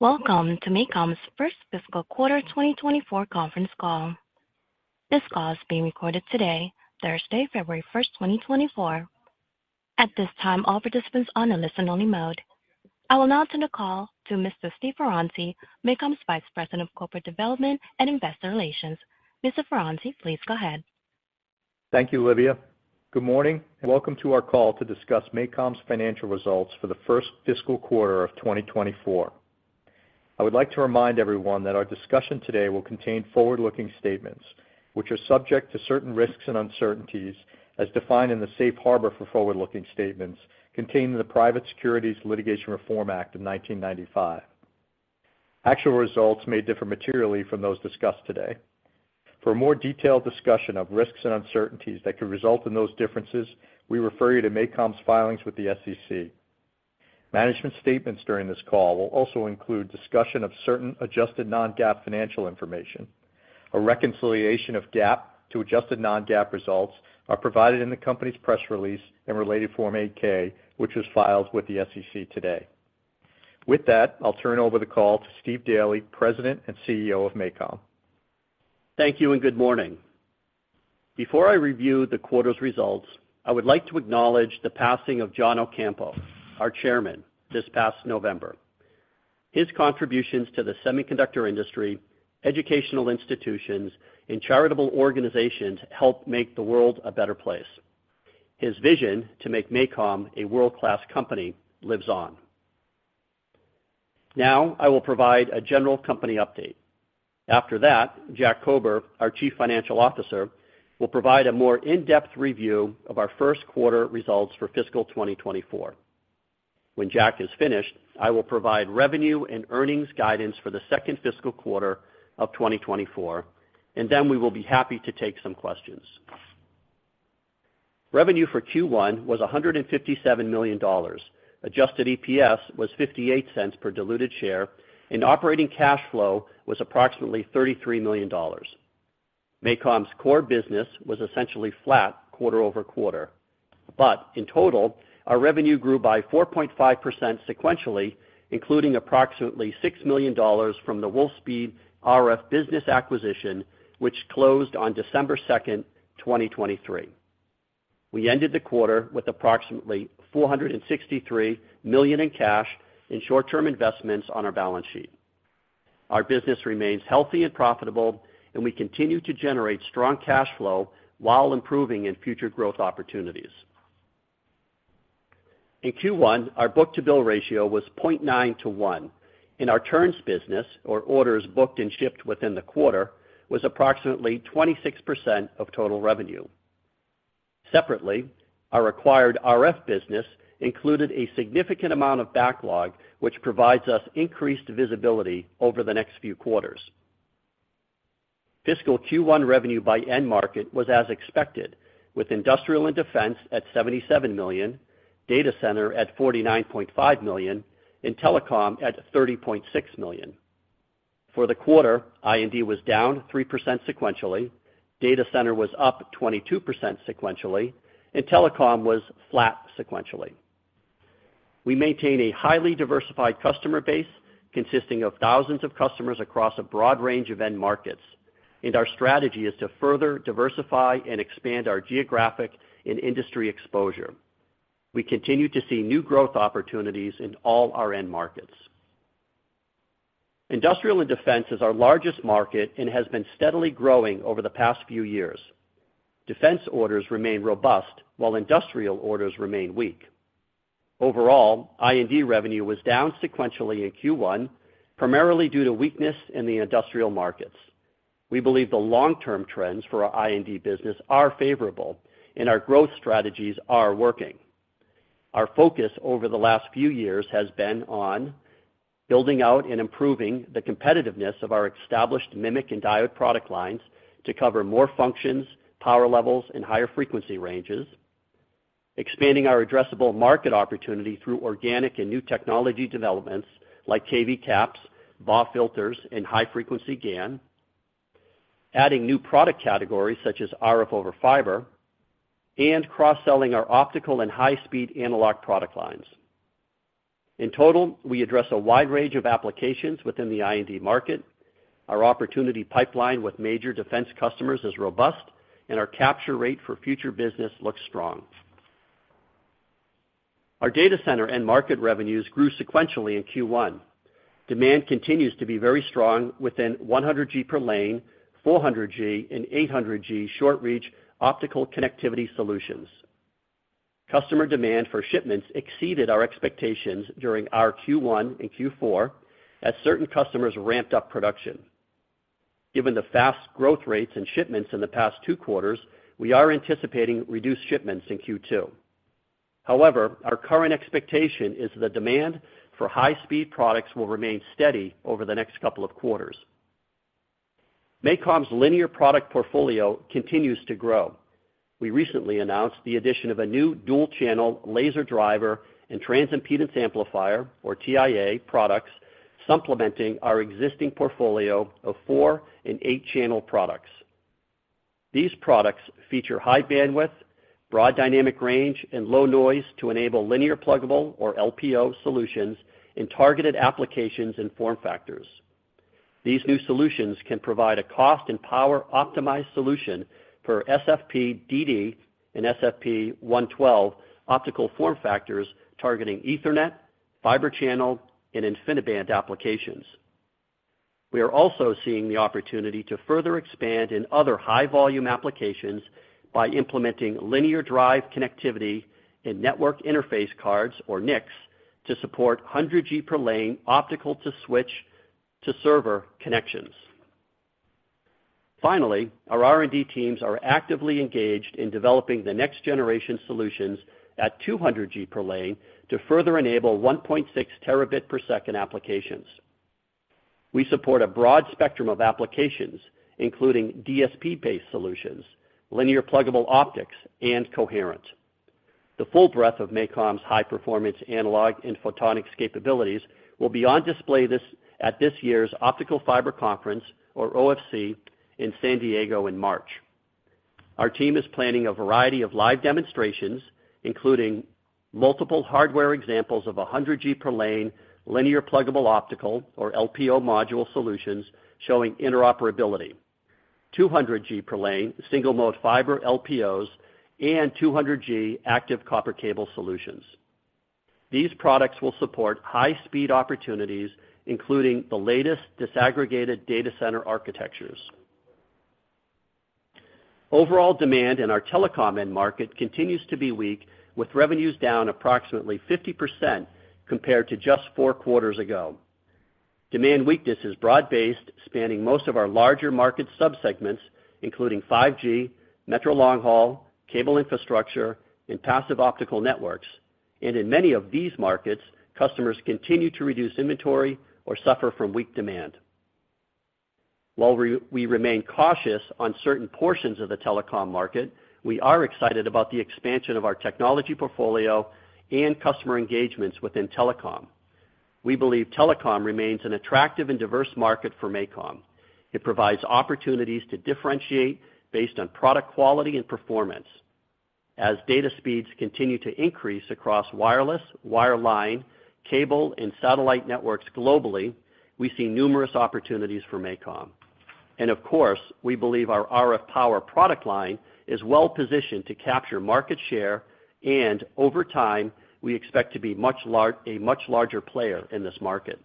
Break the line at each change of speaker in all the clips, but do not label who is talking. Welcome to MACOM's first fiscal quarter 2024 conference call. This call is being recorded today, Thursday, February 1, 2024. At this time, all participants on a listen-only mode. I will now turn the call to Mr. Steve Ferranti, MACOM's Vice President of Corporate Development and Investor Relations. Mr. Ferranti, please go ahead.
Thank you, Olivia. Good morning, and welcome to our call to discuss MACOM's financial results for the first fiscal quarter of 2024. I would like to remind everyone that our discussion today will contain forward-looking statements, which are subject to certain risks and uncertainties as defined in the safe harbor for forward-looking statements contained in the Private Securities Litigation Reform Act of 1995. Actual results may differ materially from those discussed today. For a more detailed discussion of risks and uncertainties that could result in those differences, we refer you to MACOM's filings with the SEC. Management statements during this call will also include discussion of certain adjusted non-GAAP financial information. A reconciliation of GAAP to adjusted non-GAAP results are provided in the company's press release and related Form 8-K, which was filed with the SEC today. With that, I'll turn over the call to Stephen Daly, President and CEO of MACOM.
Thank you, and good morning. Before I review the quarter's results, I would like to acknowledge the passing of John Ocampo, our chairman, this past November. His contributions to the semiconductor industry, educational institutions, and charitable organizations helped make the world a better place. His vision to make MACOM a world-class company lives on. Now, I will provide a general company update. After that, Jack Kober, our Chief Financial Officer, will provide a more in-depth review of our first quarter results for fiscal 2024. When John is finished, I will provide revenue and earnings guidance for the second fiscal quarter of 2024, and then we will be happy to take some questions. Revenue for Q1 was $157 million. Adjusted EPS was $0.58 per diluted share, and operating cash flow was approximately $33 million. MACOM's core business was essentially flat quarter over quarter, but in total, our revenue grew by 4.5% sequentially, including approximately $6 million from the Wolfspeed RF business acquisition, which closed on December 2, 2023. We ended the quarter with approximately $463 million in cash and short-term investments on our balance sheet. Our business remains healthy and profitable, and we continue to generate strong cash flow while improving in future growth opportunities. In Q1, our book-to-bill ratio was 0.9 to 1, and our turns business, or orders booked and shipped within the quarter, was approximately 26% of total revenue. Separately, our acquired RF business included a significant amount of backlog, which provides us increased visibility over the next few quarters. Fiscal Q1 revenue by end market was as expected, with industrial and defense at $77 million, data center at $49.5 million, and telecom at $30.6 million. For the quarter, I&D was down 3% sequentially, data center was up 22% sequentially, and telecom was flat sequentially. We maintain a highly diversified customer base consisting of thousands of customers across a broad range of end markets, and our strategy is to further diversify and expand our geographic and industry exposure. We continue to see new growth opportunities in all our end markets. Industrial and defense is our largest market and has been steadily growing over the past few years. Defense orders remain robust, while industrial orders remain weak. Overall, I&D revenue was down sequentially in Q1, primarily due to weakness in the industrial markets. We believe the long-term trends for our I&D business are favorable and our growth strategies are working. Our focus over the last few years has been on building out and improving the competitiveness of our established MMIC and diode product lines to cover more functions, power levels, and higher frequency ranges. Expanding our addressable market opportunity through organic and new technology developments like KV CAPS, BAW filters, and high-frequency GaN. Adding new product categories, such as RF over fiber. And cross-selling our optical and high-speed analog product lines. In total, we address a wide range of applications within the I&D market. Our opportunity pipeline with major defense customers is robust, and our capture rate for future business looks strong. Our data center and market revenues grew sequentially in Q1. Demand continues to be very strong within 100G per lane, 400G, and 800G short-reach optical connectivity solutions. Customer demand for shipments exceeded our expectations during our Q1 and Q4 as certain customers ramped up production. Given the fast growth rates and shipments in the past two quarters, we are anticipating reduced shipments in Q2. However, our current expectation is the demand for high-speed products will remain steady over the next couple of quarters. MACOM's linear product portfolio continues to grow. We recently announced the addition of a new dual-channel laser driver and transimpedance amplifier, or TIA, products, supplementing our existing portfolio of 4 and 8-channel products. These products feature high bandwidth, broad dynamic range, and low noise to enable linear pluggable or LPO solutions in targeted applications and form factors. These new solutions can provide a cost and power-optimized solution for SFP-DD and SFP-112 optical form factors targeting Ethernet, Fibre Channel, and InfiniBand applications. We are also seeing the opportunity to further expand in other high-volume applications by implementing linear drive connectivity in network interface cards, or NICs, to support 100G per lane, optical to switch to server connections. Finally, our R&D teams are actively engaged in developing the next-generation solutions at 200G per lane to further enable 1.6 terabit per second applications. We support a broad spectrum of applications, including DSP-based solutions, linear pluggable optics, and coherent. The full breadth of MACOM's high-performance analog and photonics capabilities will be on display at this year's Optical Fiber Conference, or OFC, in San Diego in March. Our team is planning a variety of live demonstrations, including multiple hardware examples of 100G per lane, linear pluggable optical, or LPO module solutions showing interoperability, 200G per lane, single-mode fiber LPOs, and 200G active copper cable solutions. These products will support high-speed opportunities, including the latest disaggregated data center architectures. Overall demand in our telecom end market continues to be weak, with revenues down approximately 50% compared to just four quarters ago. Demand weakness is broad-based, spanning most of our larger market sub-segments, including 5G, metro long-haul, cable infrastructure, and passive optical networks, and in many of these markets, customers continue to reduce inventory or suffer from weak demand. While we remain cautious on certain portions of the telecom market, we are excited about the expansion of our technology portfolio and customer engagements within telecom. We believe telecom remains an attractive and diverse market for MACOM. It provides opportunities to differentiate based on product quality and performance. As data speeds continue to increase across wireless, wireline, cable, and satellite networks globally, we see numerous opportunities for MACOM. And of course, we believe our RF power product line is well-positioned to capture market share, and over time, we expect to be a much larger player in this market.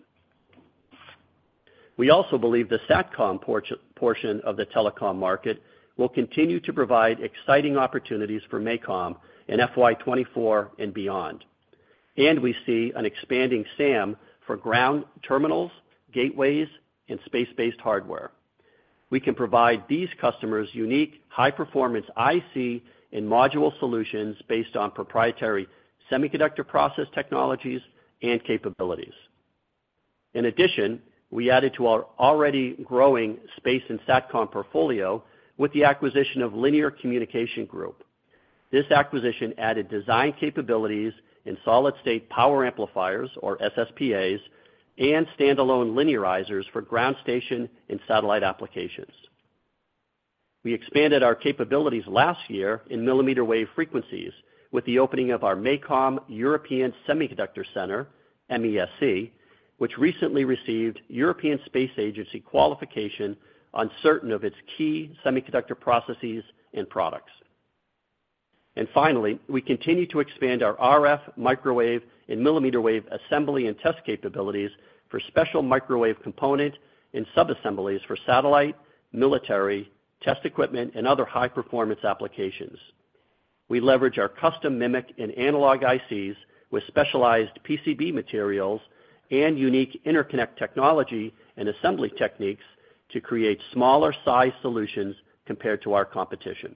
We also believe the Satcom portion of the telecom market will continue to provide exciting opportunities for MACOM in FY 2024 and beyond. And we see an expanding SAM for ground terminals, gateways, and space-based hardware. We can provide these customers unique, high-performance IC and module solutions based on proprietary semiconductor process technologies and capabilities. In addition, we added to our already growing space and Satcom portfolio with the acquisition of Linearizer Communications Group. This acquisition added design capabilities in solid-state power amplifiers, or SSPAs, and standalone linearizers for ground station and satellite applications. We expanded our capabilities last year in millimeter wave frequencies with the opening of our MACOM European Semiconductor Center, MESC, which recently received European Space Agency qualification on certain of its key semiconductor processes and products. And finally, we continue to expand our RF, microwave, and millimeter wave assembly and test capabilities for special microwave component and subassemblies for satellite, military, test equipment, and other high-performance applications. We leverage our custom MMIC and analog ICs with specialized PCB materials and unique interconnect technology and assembly techniques to create smaller-sized solutions compared to our competition.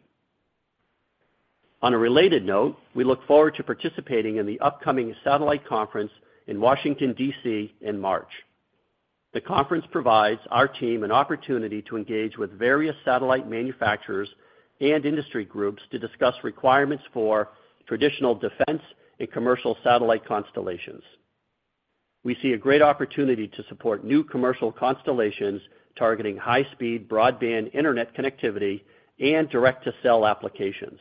On a related note, we look forward to participating in the upcoming Satellite Conference in Washington, D.C., in March. The conference provides our team an opportunity to engage with various satellite manufacturers and industry groups to discuss requirements for traditional defense and commercial satellite constellations. We see a great opportunity to support new commercial constellations targeting high-speed broadband internet connectivity and direct-to-cell applications.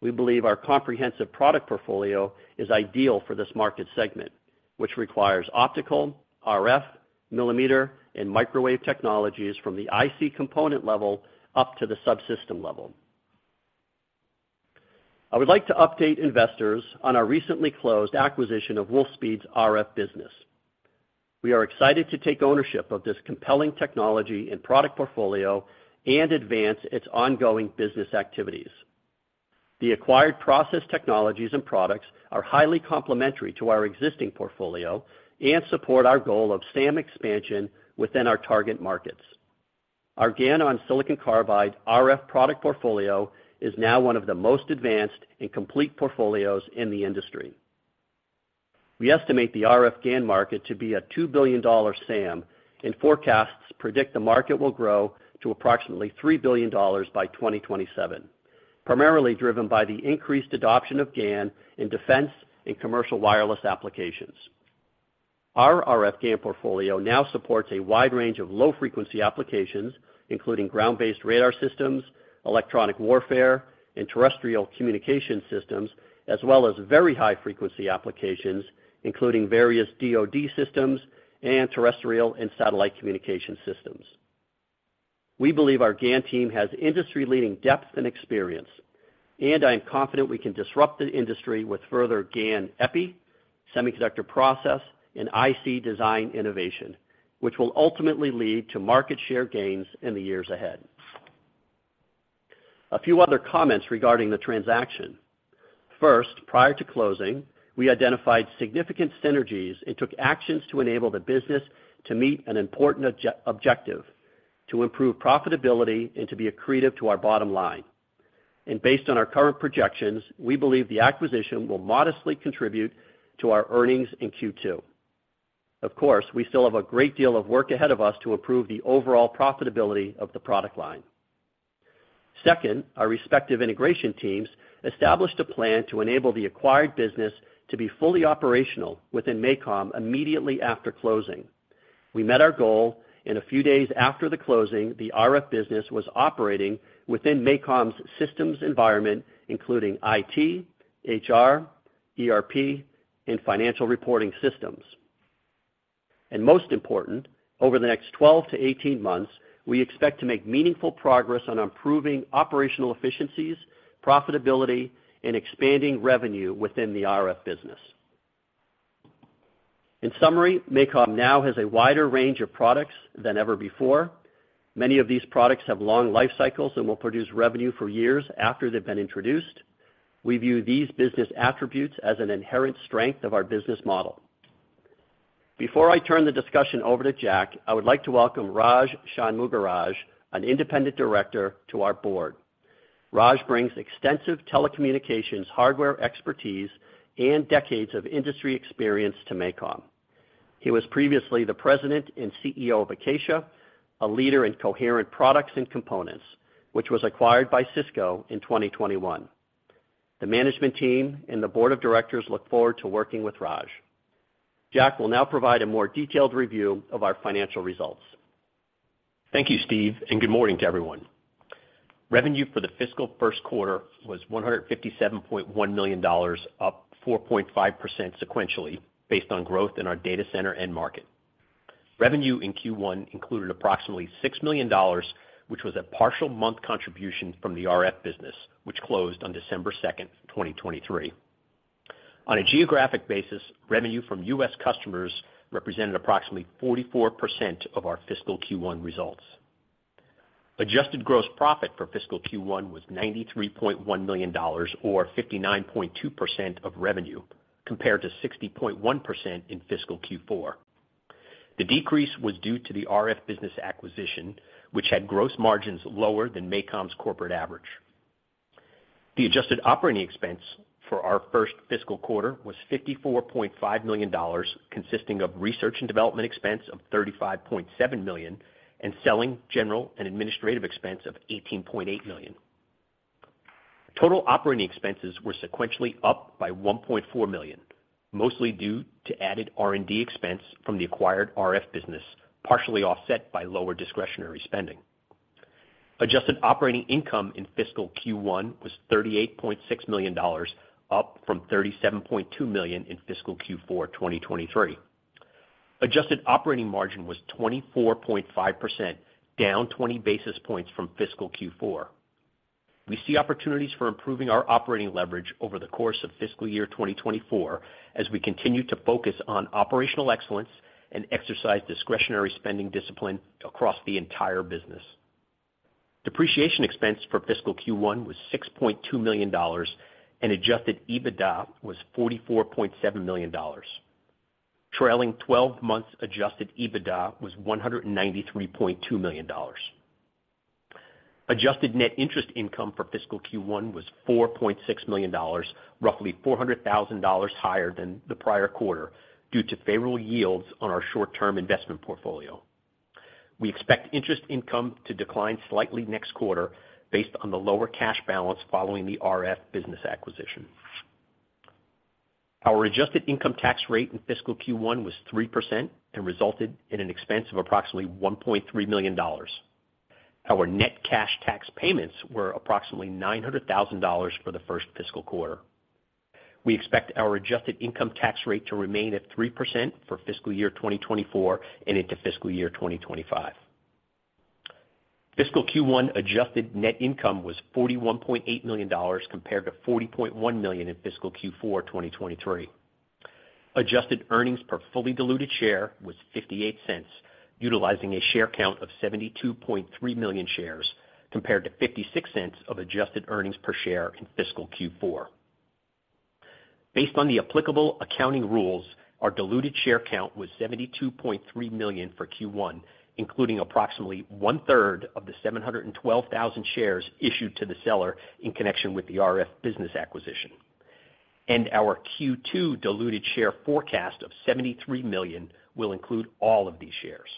We believe our comprehensive product portfolio is ideal for this market segment, which requires optical, RF, millimeter, and microwave technologies from the IC component level up to the subsystem level. I would like to update investors on our recently closed acquisition of Wolfspeed's RF business. We are excited to take ownership of this compelling technology and product portfolio and advance its ongoing business activities. The acquired process technologies and products are highly complementary to our existing portfolio and support our goal of SAM expansion within our target markets. Our GaN on Silicon Carbide RF product portfolio is now one of the most advanced and complete portfolios in the industry. We estimate the RF GaN market to be a $2 billion SAM, and forecasts predict the market will grow to approximately $3 billion by 2027, primarily driven by the increased adoption of GaN in defense and commercial wireless applications. Our RF GaN portfolio now supports a wide range of low-frequency applications, including ground-based radar systems, electronic warfare, and terrestrial communication systems, as well as very high-frequency applications, including various DoD systems and terrestrial and satellite communication systems. We believe our GaN team has industry-leading depth and experience, and I am confident we can disrupt the industry with further GaN epi, semiconductor process, and IC design innovation, which will ultimately lead to market share gains in the years ahead. A few other comments regarding the transaction. First, prior to closing, we identified significant synergies and took actions to enable the business to meet an important objective, to improve profitability and to be accretive to our bottom line. Based on our current projections, we believe the acquisition will modestly contribute to our earnings in Q2. Of course, we still have a great deal of work ahead of us to improve the overall profitability of the product line. Second, our respective integration teams established a plan to enable the acquired business to be fully operational within MACOM immediately after closing. We met our goal, and a few days after the closing, the RF business was operating within MACOM's systems environment, including IT, HR, ERP, and financial reporting systems. And most important, over the next 12-18 months, we expect to make meaningful progress on improving operational efficiencies, profitability, and expanding revenue within the RF business. In summary, MACOM now has a wider range of products than ever before. Many of these products have long life cycles and will produce revenue for years after they've been introduced. We view these business attributes as an inherent strength of our business model. Before I turn the discussion over to Jack, I would like to welcome Raj Shanmugaraj, an independent director, to our board. Raj brings extensive telecommunications hardware expertise and decades of industry experience to MACOM. He was previously the President and CEO of Acacia, a leader in coherent products and components, which was acquired by Cisco in 2021. The management team and the board of directors look forward to working with Raj. Jack will now provide a more detailed review of our financial results.
Thank you, Steve, and good morning to everyone. Revenue for the fiscal first quarter was $157.1 million, up 4.5% sequentially, based on growth in our data center end market. Revenue in Q1 included approximately $6 million, which was a partial month contribution from the RF business, which closed on December 2, 2023. On a geographic basis, revenue from U.S. customers represented approximately 44% of our fiscal Q1 results. Adjusted gross profit for fiscal Q1 was $93.1 million, or 59.2% of revenue, compared to 60.1% in fiscal Q4. The decrease was due to the RF business acquisition, which had gross margins lower than MACOM's corporate average. The adjusted operating expense for our first fiscal quarter was $54.5 million, consisting of research and development expense of $35.7 million, and selling, general, and administrative expense of $18.8 million. Total operating expenses were sequentially up by $1.4 million, mostly due to added R&D expense from the acquired RF business, partially offset by lower discretionary spending. Adjusted operating income in fiscal Q1 was $38.6 million, up from $37.2 million in fiscal Q4 2023. Adjusted operating margin was 24.5%, down 20 basis points from fiscal Q4. We see opportunities for improving our operating leverage over the course of fiscal year 2024, as we continue to focus on operational excellence and exercise discretionary spending discipline across the entire business. Depreciation expense for fiscal Q1 was $6.2 million, and adjusted EBITDA was $44.7 million. Trailing twelve months adjusted EBITDA was $193.2 million. Adjusted net interest income for fiscal Q1 was $4.6 million, roughly $400,000 higher than the prior quarter, due to favorable yields on our short-term investment portfolio. We expect interest income to decline slightly next quarter based on the lower cash balance following the RF business acquisition. Our adjusted income tax rate in fiscal Q1 was 3% and resulted in an expense of approximately $1.3 million. Our net cash tax payments were approximately $900,000 for the first fiscal quarter. We expect our adjusted income tax rate to remain at 3% for fiscal year 2024 and into fiscal year 2025. Fiscal Q1 adjusted net income was $41.8 million, compared to $40.1 million in fiscal Q4 2023. Adjusted earnings per fully diluted share was $0.58, utilizing a share count of 72.3 million shares, compared to $0.56 of adjusted earnings per share in fiscal Q4. Based on the applicable accounting rules, our diluted share count was 72.3 million for Q1, including approximately one-third of the 712,000 shares issued to the seller in connection with the RF business acquisition. Our Q2 diluted share forecast of 73 million will include all of these shares.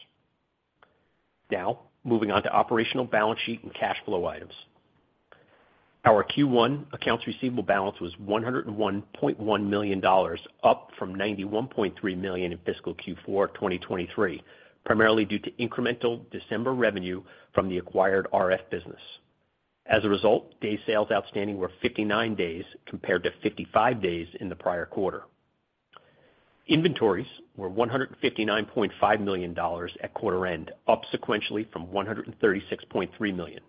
Now, moving on to operational balance sheet and cash flow items. Our Q1 accounts receivable balance was $101.1 million, up from $91.3 million in fiscal Q4 2023, primarily due to incremental December revenue from the acquired RF business. As a result, days sales outstanding were 59 days compared to 55 days in the prior quarter. Inventories were $159.5 million at quarter end, up sequentially from $136.3 million.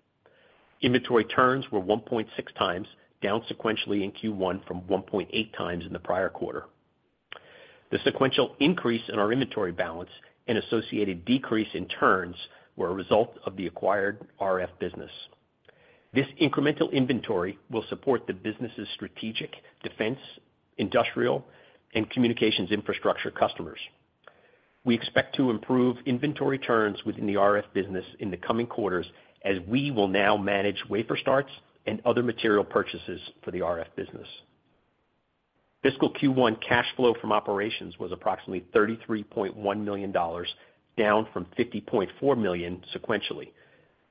Inventory turns were 1.6 times, down sequentially in Q1 from 1.8 times in the prior quarter. The sequential increase in our inventory balance and associated decrease in turns were a result of the acquired RF business. This incremental inventory will support the business's strategic defense, industrial, and communications infrastructure customers. We expect to improve inventory turns within the RF business in the coming quarters, as we will now manage wafer starts and other material purchases for the RF business. Fiscal Q1 cash flow from operations was approximately $33.1 million, down from $50.4 million sequentially,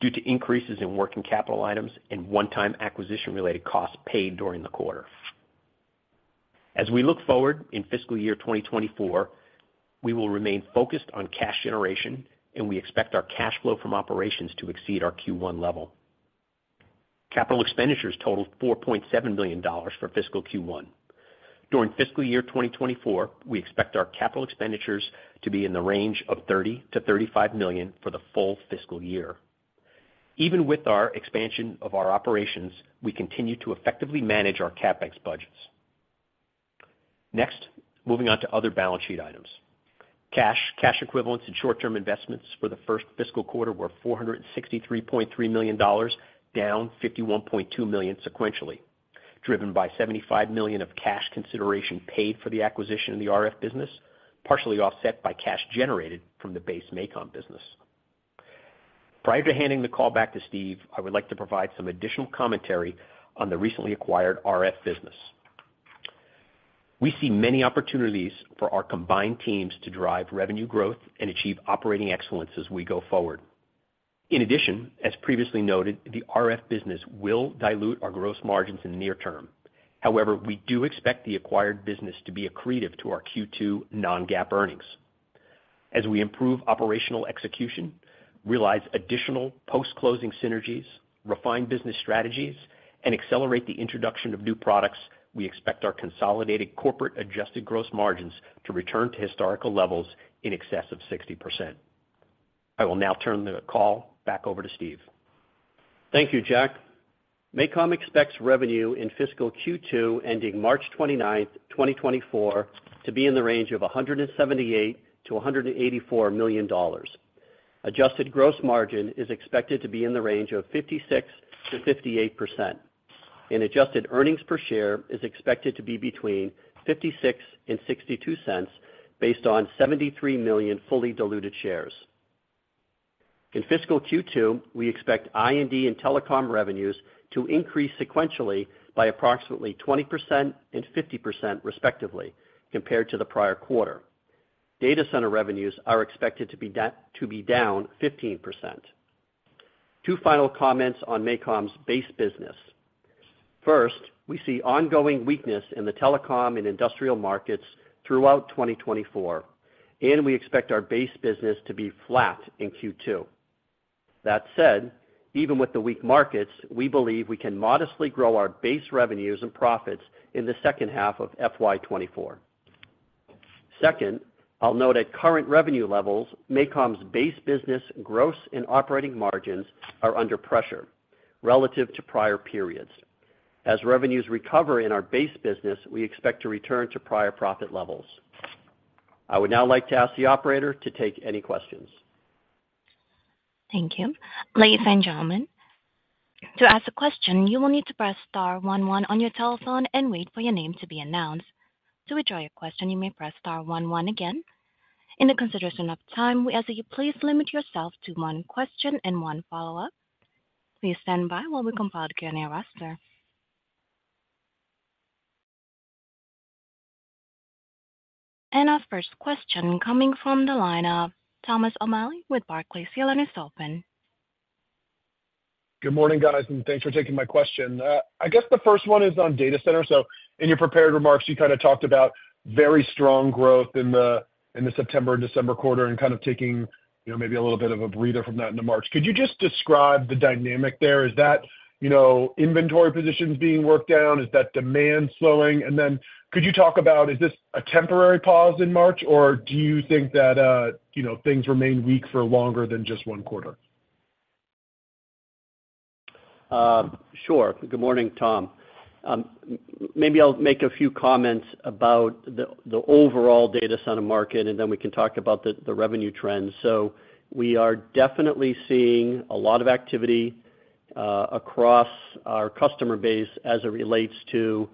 due to increases in working capital items and one-time acquisition-related costs paid during the quarter. As we look forward in fiscal year 2024, we will remain focused on cash generation, and we expect our cash flow from operations to exceed our Q1 level. Capital expenditures totaled $4.7 million for fiscal Q1. During fiscal year 2024, we expect our capital expenditures to be in the range of $30-$35 million for the full fiscal year. Even with our expansion of our operations, we continue to effectively manage our CapEx budgets. Next, moving on to other balance sheet items. Cash, cash equivalents, and short-term investments for the first fiscal quarter were $463.3 million, down $51.2 million sequentially, driven by $75 million of cash consideration paid for the acquisition of the RF business, partially offset by cash generated from the base MACOM business. Prior to handing the call back to Steve, I would like to provide some additional commentary on the recently acquired RF business. We see many opportunities for our combined teams to drive revenue growth and achieve operating excellence as we go forward. In addition, as previously noted, the RF business will dilute our gross margins in the near term. However, we do expect the acquired business to be accretive to our Q2 non-GAAP earnings. As we improve operational execution, realize additional post-closing synergies, refine business strategies, and accelerate the introduction of new products, we expect our consolidated corporate adjusted gross margins to return to historical levels in excess of 60%. I will now turn the call back over to Steve.
Thank you, Jack. MACOM expects revenue in fiscal Q2, ending March 29, 2024, to be in the range of $178 million-$184 million. Adjusted gross margin is expected to be in the range of 56%-58%, and adjusted earnings per share is expected to be between $0.56 and $0.62, based on 73 million fully diluted shares. In fiscal Q2, we expect I&D and telecom revenues to increase sequentially by approximately 20% and 50%, respectively, compared to the prior quarter. Data center revenues are expected to be down 15%. Two final comments on MACOM's base business. First, we see ongoing weakness in the telecom and industrial markets throughout 2024, and we expect our base business to be flat in Q2. That said, even with the weak markets, we believe we can modestly grow our base revenues and profits in the second half of FY 2024. Second, I'll note at current revenue levels, MACOM's base business gross and operating margins are under pressure relative to prior periods. As revenues recover in our base business, we expect to return to prior profit levels. I would now like to ask the operator to take any questions.
Thank you. Ladies and gentlemen, to ask a question, you will need to press star one one on your telephone and wait for your name to be announced. To withdraw your question, you may press star one one again. In the consideration of time, we ask that you please limit yourself to one question and one follow-up. Please stand by while we compile the Q&A roster. Our first question coming from the line of Thomas O'Malley with Barclays. Your line is open.
Good morning, guys, and thanks for taking my question. I guess the first one is on data center. So in your prepared remarks, you kind of talked about very strong growth in the, in the September and December quarter and kind of taking, you know, maybe a little bit of a breather from that into March. Could you just describe the dynamic there? Is that, you know, inventory positions being worked down? Is that demand slowing? And then could you talk about, is this a temporary pause in March, or do you think that, you know, things remain weak for longer than just one quarter?
Sure. Good morning, Tom. Maybe I'll make a few comments about the overall data center market, and then we can talk about the revenue trends. So we are definitely seeing a lot of activity across our customer base as it relates to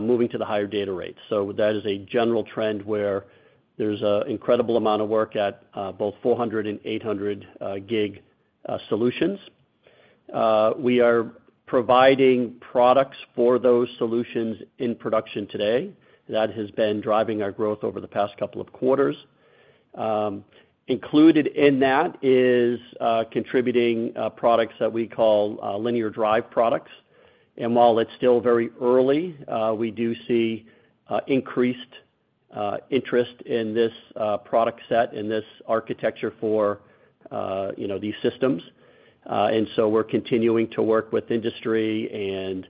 moving to the higher data rates. So that is a general trend where there's an incredible amount of work at both 400 and 800 Gb solutions. We are providing products for those solutions in production today. That has been driving our growth over the past couple of quarters. Included in that is contributing products that we call linear drive products. And while it's still very early, we do see increased interest in this product set, in this architecture for, you know, these systems. And so we're continuing to work with industry and,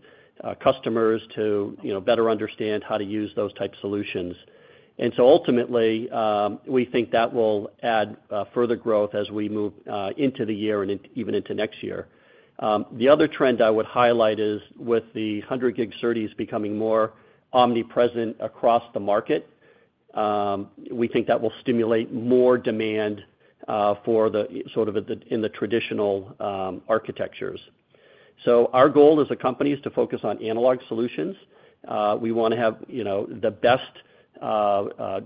customers to, you know, better understand how to use those type solutions. And so ultimately, we think that will add, further growth as we move, into the year and even into next year. The other trend I would highlight is with the 100 Gbps SerDes becoming more omnipresent across the market, we think that will stimulate more demand, for the sort of in the traditional, architectures. So our goal as a company is to focus on analog solutions. We wanna have, you know, the best,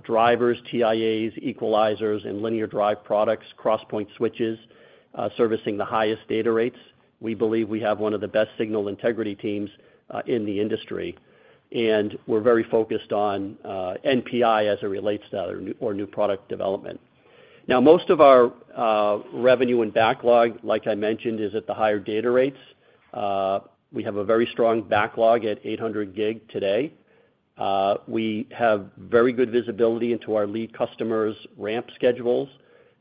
drivers, TIAs, equalizers, and linear drive products, cross-point switches, servicing the highest data rates. We believe we have one of the best signal integrity teams in the industry, and we're very focused on NPI as it relates to new product development. Now, most of our revenue and backlog, like I mentioned, is at the higher data rates. We have a very strong backlog at 800 Gb today. We have very good visibility into our lead customers' ramp schedules,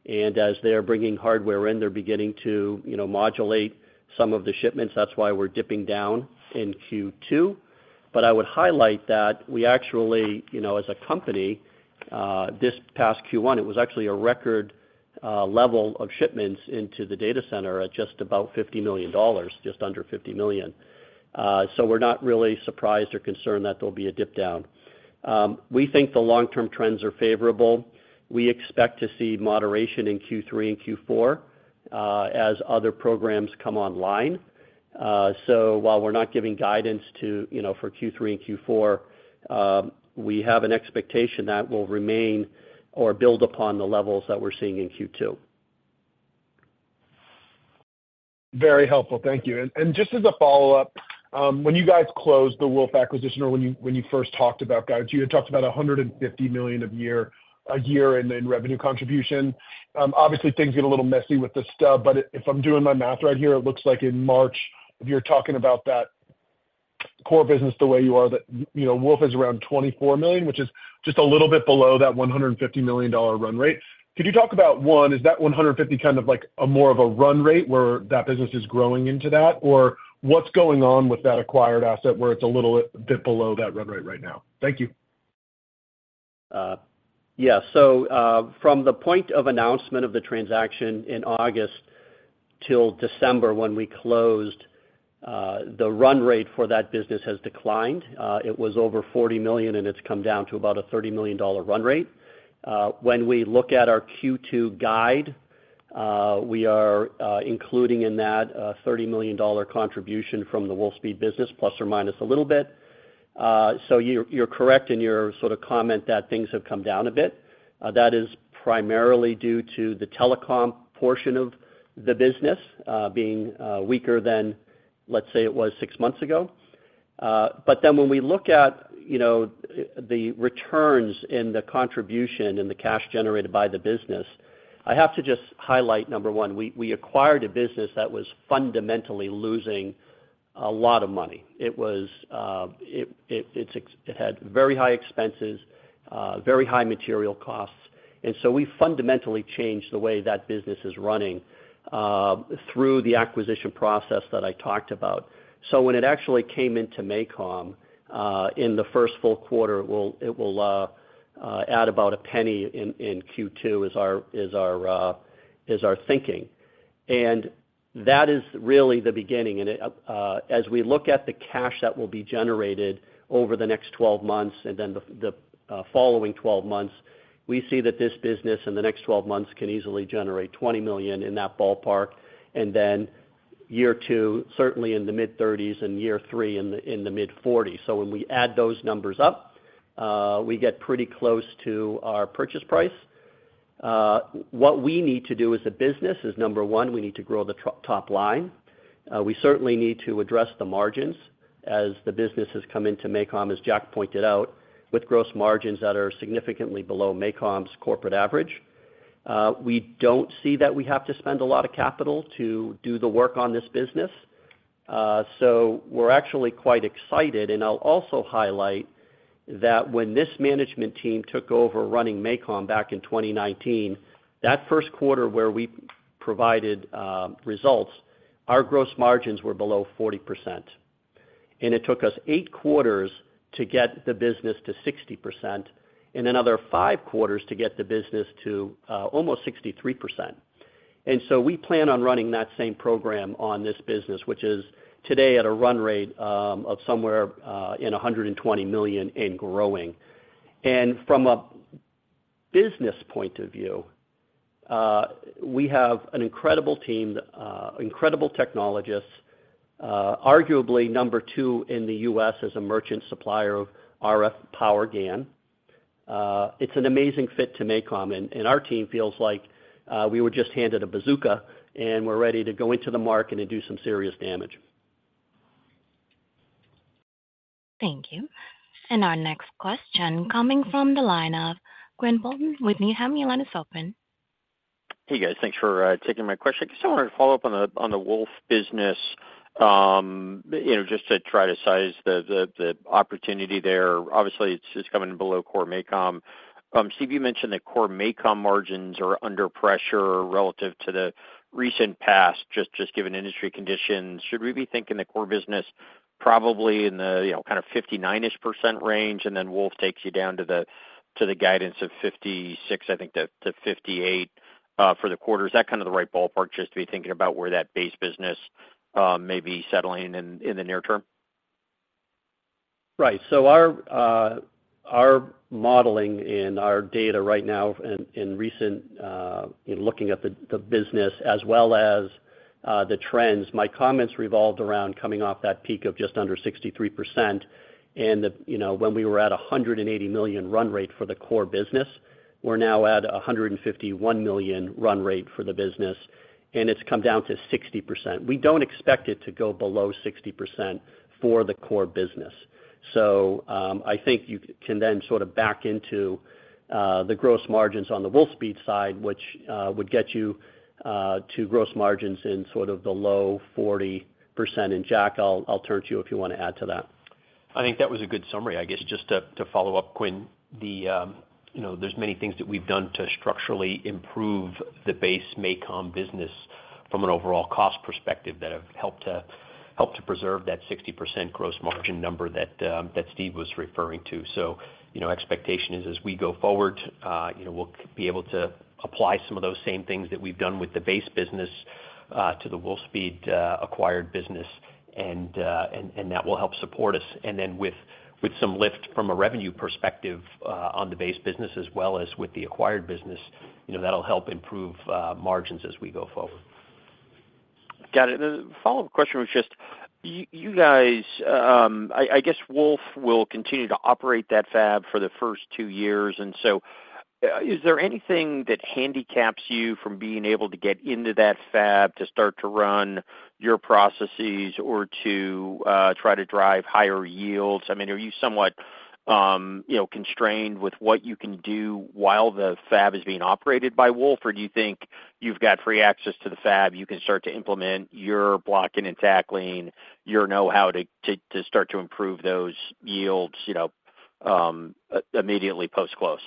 and as they're bringing hardware in, they're beginning to, you know, modulate some of the shipments. That's why we're dipping down in Q2. But I would highlight that we actually, you know, as a company, this past Q1, it was actually a record level of shipments into the data center at just about $50 million, just under $50 million. So we're not really surprised or concerned that there'll be a dip down. We think the long-term trends are favorable. We expect to see moderation in Q3 and Q4, as other programs come online. So while we're not giving guidance to, you know, for Q3 and Q4, we have an expectation that will remain or build upon the levels that we're seeing in Q2.
Very helpful. Thank you. And just as a follow-up, when you guys closed the Wolfspeed acquisition or when you first talked about guidance, you had talked about $150 million a year in revenue contribution. Obviously, things get a little messy with the stub, but if I'm doing my math right here, it looks like in March, if you're talking about that core business the way you are, that, you know, Wolfspeed is around $24 million, which is just a little bit below that $150 million run rate. Could you talk about, one, is that $150 million kind of like more of a run rate, where that business is growing into that? Or what's going on with that acquired asset where it's a little bit below that run rate right now? Thank you.
Yeah. So, from the point of announcement of the transaction in August till December when we closed, the run rate for that business has declined. It was over $40 million, and it's come down to about a $30 million run rate. When we look at our Q2 guide, we are including in that a $30 million contribution from the Wolfspeed business, plus or minus a little bit. So you're correct in your sort of comment that things have come down a bit. That is primarily due to the telecom portion of the business being weaker than, let's say, it was six months ago. But then when we look at, you know, the returns and the contribution and the cash generated by the business, I have to just highlight, number one, we acquired a business that was fundamentally losing a lot of money. It was, it had very high expenses, very high material costs, and so we fundamentally changed the way that business is running through the acquisition process that I talked about. So when it actually came into MACOM, in the first full quarter, it will add about $0.01 in Q2, is our thinking. And that is really the beginning. As we look at the cash that will be generated over the next 12 months and then the following 12 months, we see that this business in the next 12 months can easily generate $20 million in that ballpark, and then year 2, certainly in the mid-$30s, and year 3, in the mid-$40s. So when we add those numbers up, we get pretty close to our purchase price. What we need to do as a business is, number 1, we need to grow the top line. We certainly need to address the margins as the business has come into MACOM, as Jack pointed out, with gross margins that are significantly below MACOM's corporate average. We don't see that we have to spend a lot of capital to do the work on this business. So we're actually quite excited. And I'll also highlight that when this management team took over running MACOM back in 2019, that first quarter where we provided results, our gross margins were below 40%, and it took us 8 quarters to get the business to 60% and another 5 quarters to get the business to almost 63%. And so we plan on running that same program on this business, which is today at a run rate of somewhere in $120 million and growing. From a business point of view, we have an incredible team, incredible technologists, arguably number two in the U.S. as a merchant supplier of RF power GaN. It's an amazing fit to MACOM, and our team feels like we were just handed a bazooka, and we're ready to go into the market and do some serious damage.
Thank you. And our next question coming from the line of Quinn Bolton with Needham, your line is open.
Hey, guys. Thanks for taking my question. I just wanted to follow up on the Wolf business. You know, just to try to size the opportunity there. Obviously, it's coming below core MACOM. Steve, you mentioned that core MACOM margins are under pressure relative to the recent past, just given industry conditions. Should we be thinking the core business probably in the, you know, kind of 59-ish% range, and then Wolf takes you down to the guidance of 56%, I think, to 58% for the quarter? Is that kind of the right ballpark just to be thinking about where that base business may be settling in, in the near term?
Right. So our modeling and our data right now in recent looking at the business as well as the trends, my comments revolved around coming off that peak of just under 63%. And you know, when we were at a $180 million run rate for the core business, we're now at a $151 million run rate for the business, and it's come down to 60%. We don't expect it to go below 60% for the core business. So, I think you can then sort of back into the gross margins on the Wolfspeed side, which would get you to gross margins in sort of the low 40%. And Jack, I'll turn to you if you wanna add to that.
I think that was a good summary. I guess just to follow up, Quinn, you know, there's many things that we've done to structurally improve the base MACOM business from an overall cost perspective that have helped to preserve that 60% gross margin number that Steve was referring to. So, you know, expectation is as we go forward, you know, we'll be able to apply some of those same things that we've done with the base business to the Wolfspeed acquired business, and that will help support us. And then with some lift from a revenue perspective on the base business, as well as with the acquired business, you know, that'll help improve margins as we go forward.
Got it. And then the follow-up question was just, you guys, I guess Wolf will continue to operate that fab for the first two years. And so, is there anything that handicaps you from being able to get into that fab to start to run your processes or to try to drive higher yields? I mean, are you somewhat, you know, constrained with what you can do while the fab is being operated by Wolf? Or do you think you've got free access to the fab, you can start to implement your blocking and tackling, your know-how to start to improve those yields, you know, immediately post-close?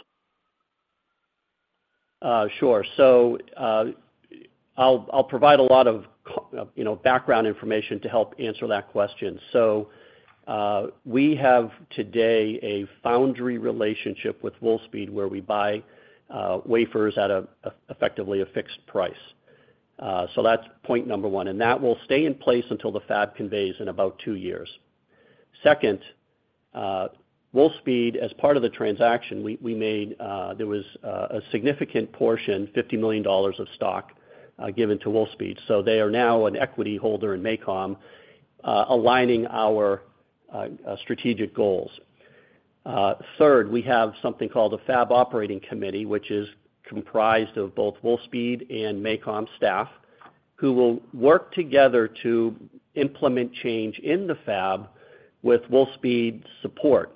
Sure. So, I'll provide a lot of background information to help answer that question. So, we have today a foundry relationship with Wolfspeed, where we buy wafers at an effectively fixed price. So that's point number 1, and that will stay in place until the fab conveys in about 2 years. Second, Wolfspeed, as part of the transaction, we made, there was a significant portion, $50 million of stock given to Wolfspeed, so they are now an equity holder in MACOM, aligning our strategic goals. Third, we have something called a fab operating committee, which is comprised of both Wolfspeed and MACOM staff, who will work together to implement change in the fab with Wolfspeed support.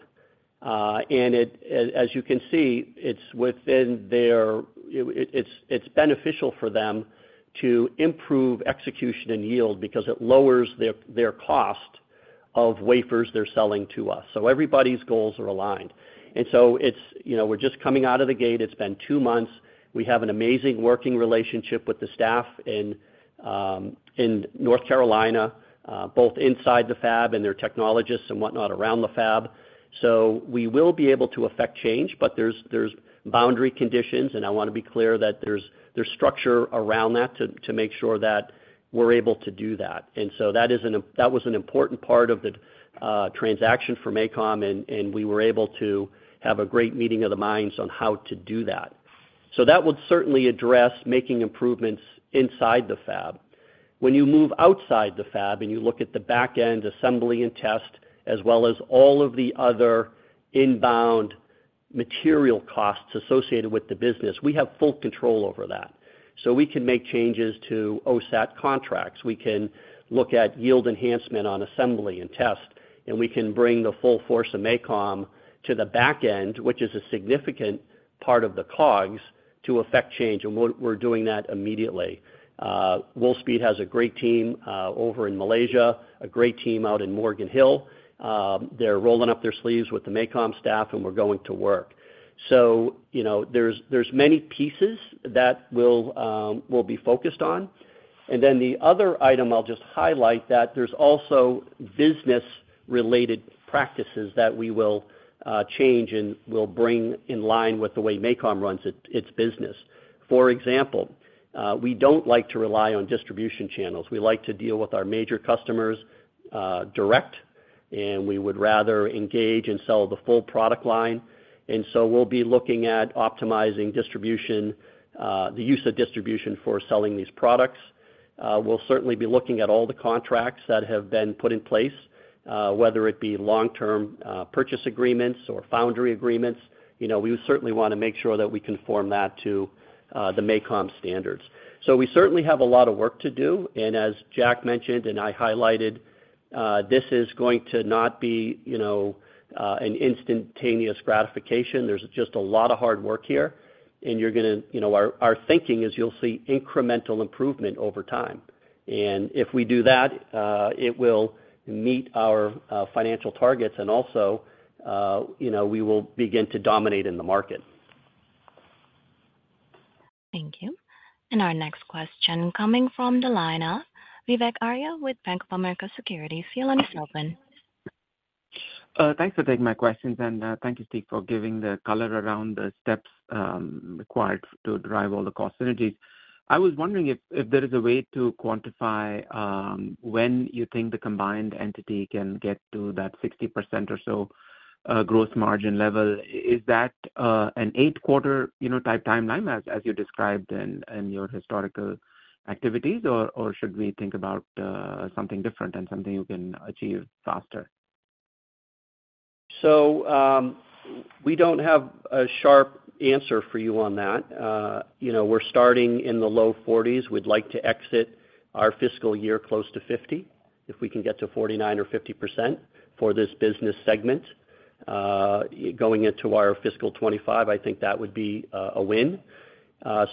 And as you can see, it's within their... It's beneficial for them to improve execution and yield because it lowers their cost of wafers they're selling to us. So everybody's goals are aligned. And so it's, you know, we're just coming out of the gate. It's been two months. We have an amazing working relationship with the staff in North Carolina, both inside the fab and their technologists and whatnot around the fab. So we will be able to affect change, but there's boundary conditions, and I wanna be clear that there's structure around that to make sure that we're able to do that. And so that was an important part of the transaction for MACOM, and we were able to have a great meeting of the minds on how to do that. So that would certainly address making improvements inside the fab. When you move outside the fab, and you look at the back end, assembly, and test, as well as all of the other inbound material costs associated with the business, we have full control over that. So we can make changes to OSAT contracts, we can look at yield enhancement on assembly and test, and we can bring the full force of MACOM to the back end, which is a significant part of the cogs, to affect change, and we're doing that immediately. Wolfspeed has a great team over in Malaysia, a great team out in Morgan Hill. They're rolling up their sleeves with the MACOM staff, and we're going to work. So, you know, there's many pieces that we'll be focused on. And then the other item I'll just highlight, that there's also business-related practices that we will change and will bring in line with the way MACOM runs its business. For example, we don't like to rely on distribution channels. We like to deal with our major customers direct, and we would rather engage and sell the full product line. And so we'll be looking at optimizing distribution, the use of distribution for selling these products. We'll certainly be looking at all the contracts that have been put in place, whether it be long-term purchase agreements or foundry agreements, you know, we certainly want to make sure that we conform that to the MACOM standards. So we certainly have a lot of work to do, and as Jack mentioned, and I highlighted, this is going to not be, you know, an instantaneous gratification. There's just a lot of hard work here, and you're gonna, you know, our thinking is you'll see incremental improvement over time. And if we do that, it will meet our, financial targets and also, you know, we will begin to dominate in the market.
Thank you. And our next question coming from the line of Vivek Arya with Bank of America Securities. Your line is open.
Thanks for taking my questions, and thank you, Steve, for giving the color around the steps required to derive all the cost synergies. I was wondering if, if there is a way to quantify when you think the combined entity can get to that 60% or so gross margin level. Is that an 8-quarter, you know, type timeline as, as you described in, in your historical activities? Or, or should we think about something different and something you can achieve faster?
So, we don't have a sharp answer for you on that. You know, we're starting in the low 40s. We'd like to exit our fiscal year close to 50. If we can get to 49% or 50% for this business segment, going into our fiscal 2025, I think that would be a win.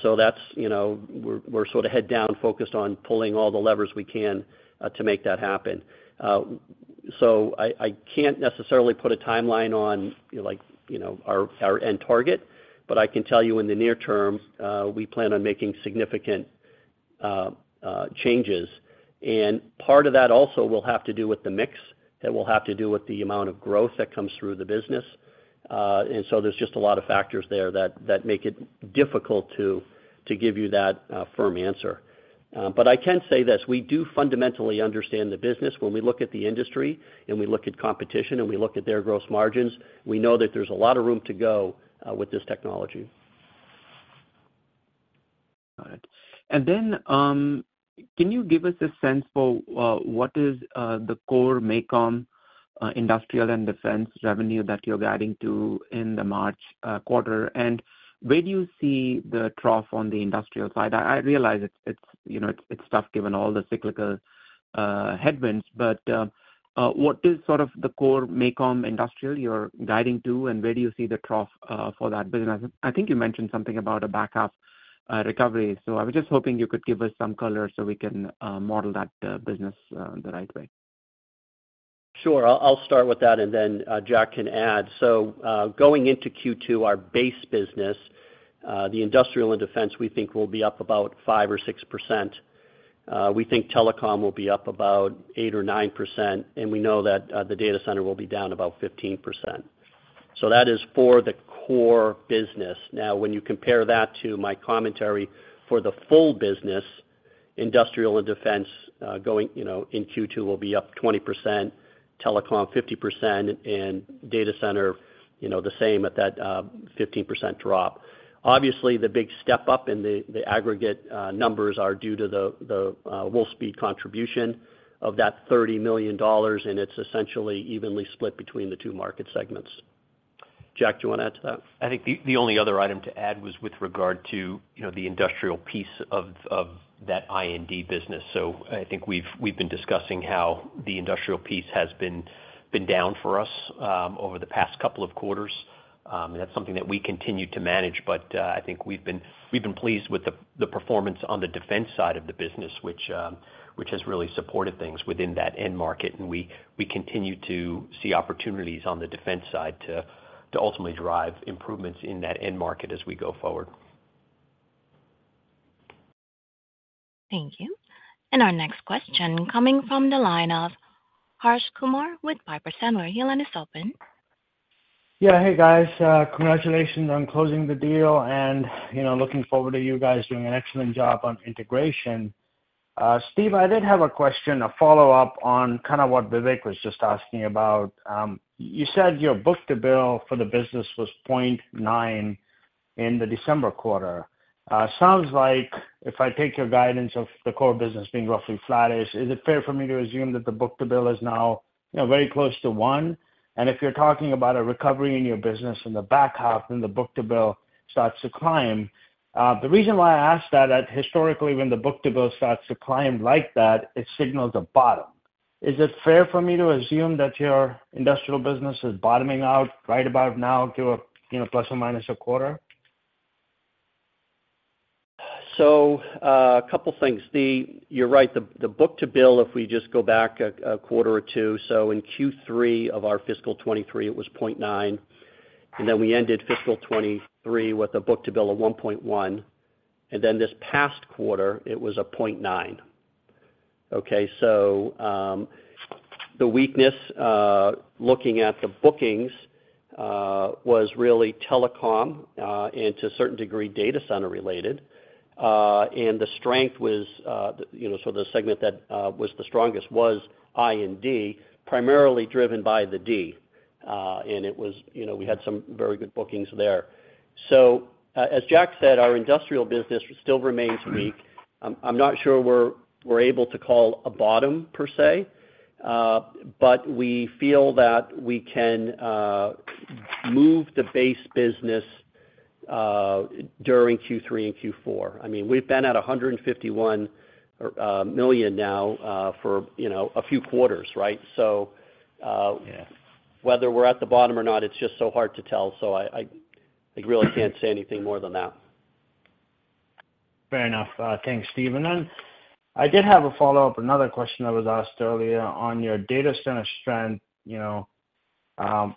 So that's, you know, we're, we're sort of head down, focused on pulling all the levers we can to make that happen. So I, I can't necessarily put a timeline on, like, you know, our, our end target, but I can tell you in the near term, we plan on making significant changes. And part of that also will have to do with the mix, that will have to do with the amount of growth that comes through the business. So there's just a lot of factors there that make it difficult to give you that firm answer. But I can say this: we do fundamentally understand the business. When we look at the industry, and we look at competition, and we look at their gross margins, we know that there's a lot of room to go with this technology.
Got it. And then, can you give us a sense for what is the core MACOM industrial and defense revenue that you're guiding to in the March quarter? And where do you see the trough on the industrial side? I realize it's you know, it's tough given all the cyclical headwinds, but what is sort of the core MACOM industrial you're guiding to, and where do you see the trough for that business? I think you mentioned something about a back-half recovery, so I was just hoping you could give us some color so we can model that business the right way.
Sure. I'll, I'll start with that, and then Jack can add. So, going into Q2, our base business, the industrial and defense, we think will be up about 5 or 6%. We think telecom will be up about 8 or 9%, and we know that the data center will be down about 15%. So that is for the core business. Now, when you compare that to my commentary for the full business, industrial and defense, going, you know, in Q2, will be up 20%, telecom 50%, and data center, you know, the same at that 15% drop. Obviously, the big step up in the aggregate numbers are due to the Wolfspeed contribution of that $30 million, and it's essentially evenly split between the two market segments. Jack, do you want to add to that?
I think the only other item to add was with regard to, you know, the industrial piece of that I&D business. So I think we've been discussing how the industrial piece has been down for us over the past couple of quarters. That's something that we continue to manage, but I think we've been pleased with the performance on the defense side of the business, which has really supported things within that end market, and we continue to see opportunities on the defense side to ultimately drive improvements in that end market as we go forward.
Thank you. Our next question coming from the line of Harsh Kumar with Piper Sandler. Your line is open.
Yeah. Hey, guys, congratulations on closing the deal, and, you know, looking forward to you guys doing an excellent job on integration. Steve, I did have a question, a follow-up on kind of what Vivek was just asking about. You said your book-to-bill for the business was 0.9 in the December quarter. Sounds like if I take your guidance of the core business being roughly flattish, is it fair for me to assume that the book-to-bill is now, you know, very close to 1? And if you're talking about a recovery in your business in the back half, then the book-to-bill starts to climb. The reason why I ask that, historically, when the book-to-bill starts to climb like that, it signals a bottom. Is it fair for me to assume that your industrial business is bottoming out right about now, give or, you know, plus or minus a quarter?
So, a couple things. You're right, the book-to-bill, if we just go back a quarter or two, so in Q3 of our fiscal 2023, it was 0.9, and then we ended fiscal 2023 with a book-to-bill of 1.1, and then this past quarter, it was 0.9. Okay, so the weakness, looking at the bookings, was really telecom, and to a certain degree, data center related. And the strength was, you know, so the segment that was the strongest was I&D, primarily driven by the D, and it was, you know, we had some very good bookings there. So, as Jack said, our industrial business still remains weak. I'm not sure we're, we're able to call a bottom, per se, but we feel that we can move the base business during Q3 and Q4. I mean, we've been at $151 million now for, you know, a few quarters, right? So,
Yeah.
Whether we're at the bottom or not, it's just so hard to tell. So I really can't say anything more than that.
Fair enough. Thanks, Stephen. And I did have a follow-up, another question that was asked earlier on your data center strength. You know,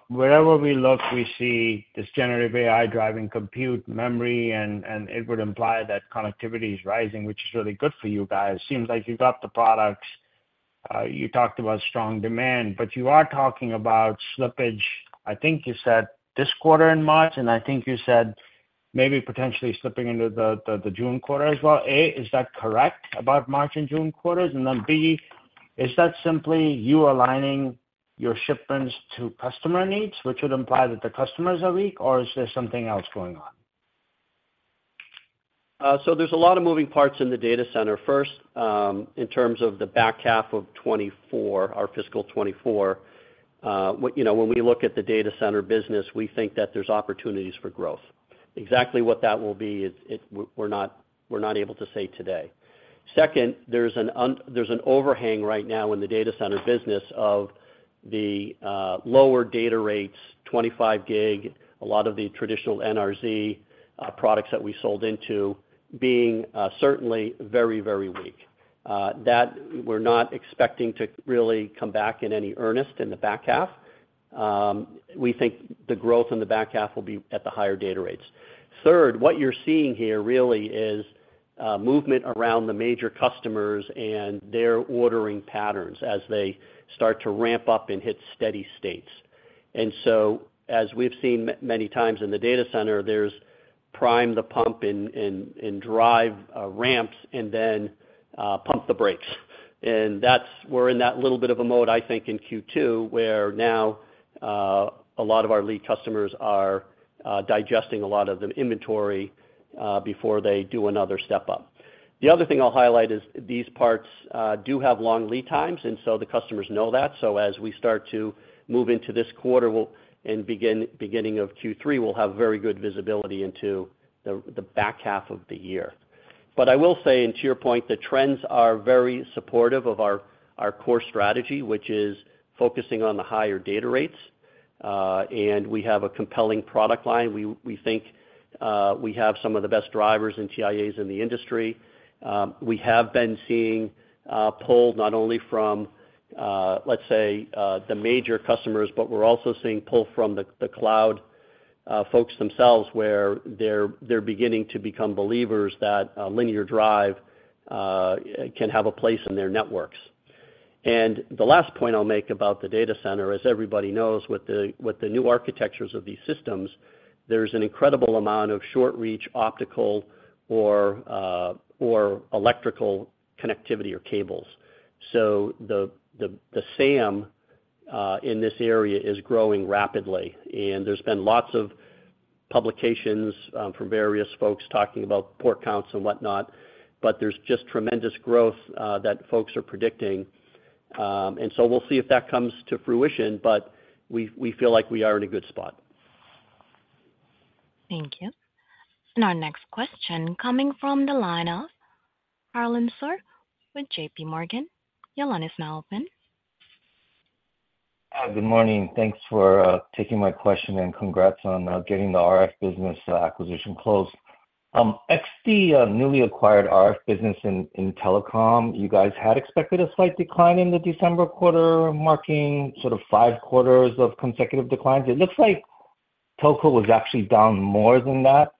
wherever we look, we see this generative AI driving compute memory, and it would imply that connectivity is rising, which is really good for you guys. Seems like you've got the products. You talked about strong demand, but you are talking about slippage. I think you said this quarter in March, and I think you said maybe potentially slipping into the June quarter as well. A, is that correct, about March and June quarters? And then, B, is that simply you aligning your shipments to customer needs, which would imply that the customers are weak, or is there something else going on?
So there's a lot of moving parts in the data center. First, in terms of the back half of 2024, our fiscal 2024, what, you know, when we look at the data center business, we think that there's opportunities for growth. Exactly what that will be, we're not, we're not able to say today. Second, there's an overhang right now in the data center business of the lower data rates, 25 Gb, a lot of the traditional NRZ products that we sold into being certainly very, very weak. That we're not expecting to really come back in any earnest in the back half. We think the growth in the back half will be at the higher data rates. Third, what you're seeing here really is movement around the major customers and their ordering patterns as they start to ramp up and hit steady states. And so, as we've seen many times in the data center, there's prime the pump in drive ramps, and then pump the brakes. And we're in that little bit of a mode, I think, in Q2, where now a lot of our lead customers are digesting a lot of the inventory before they do another step up. The other thing I'll highlight is these parts do have long lead times, and so the customers know that. So as we start to move into this quarter and beginning of Q3, we'll have very good visibility into the back half of the year. But I will say, and to your point, the trends are very supportive of our, our core strategy, which is focusing on the higher data rates. And we have a compelling product line. We, we think, we have some of the best drivers in TIAs in the industry. We have been seeing pull not only from, let's say, the major customers, but we're also seeing pull from the, the cloud folks themselves, where they're, they're beginning to become believers that linear drive can have a place in their networks. And the last point I'll make about the data center, as everybody knows, with the, with the new architectures of these systems, there's an incredible amount of short-reach optical or, or electrical connectivity or cables. So the SAM in this area is growing rapidly, and there's been lots of publications from various folks talking about port counts and whatnot, but there's just tremendous growth that folks are predicting. So we'll see if that comes to fruition, but we feel like we are in a good spot.
Thank you. Our next question coming from the line of Harlan Sur with JP Morgan. Your line is now open.
Good morning. Thanks for taking my question, and congrats on getting the RF business acquisition closed. The newly acquired RF business in telecom, you guys had expected a slight decline in the December quarter, marking sort of 5 quarters of consecutive declines. It looks like telco was actually down more than that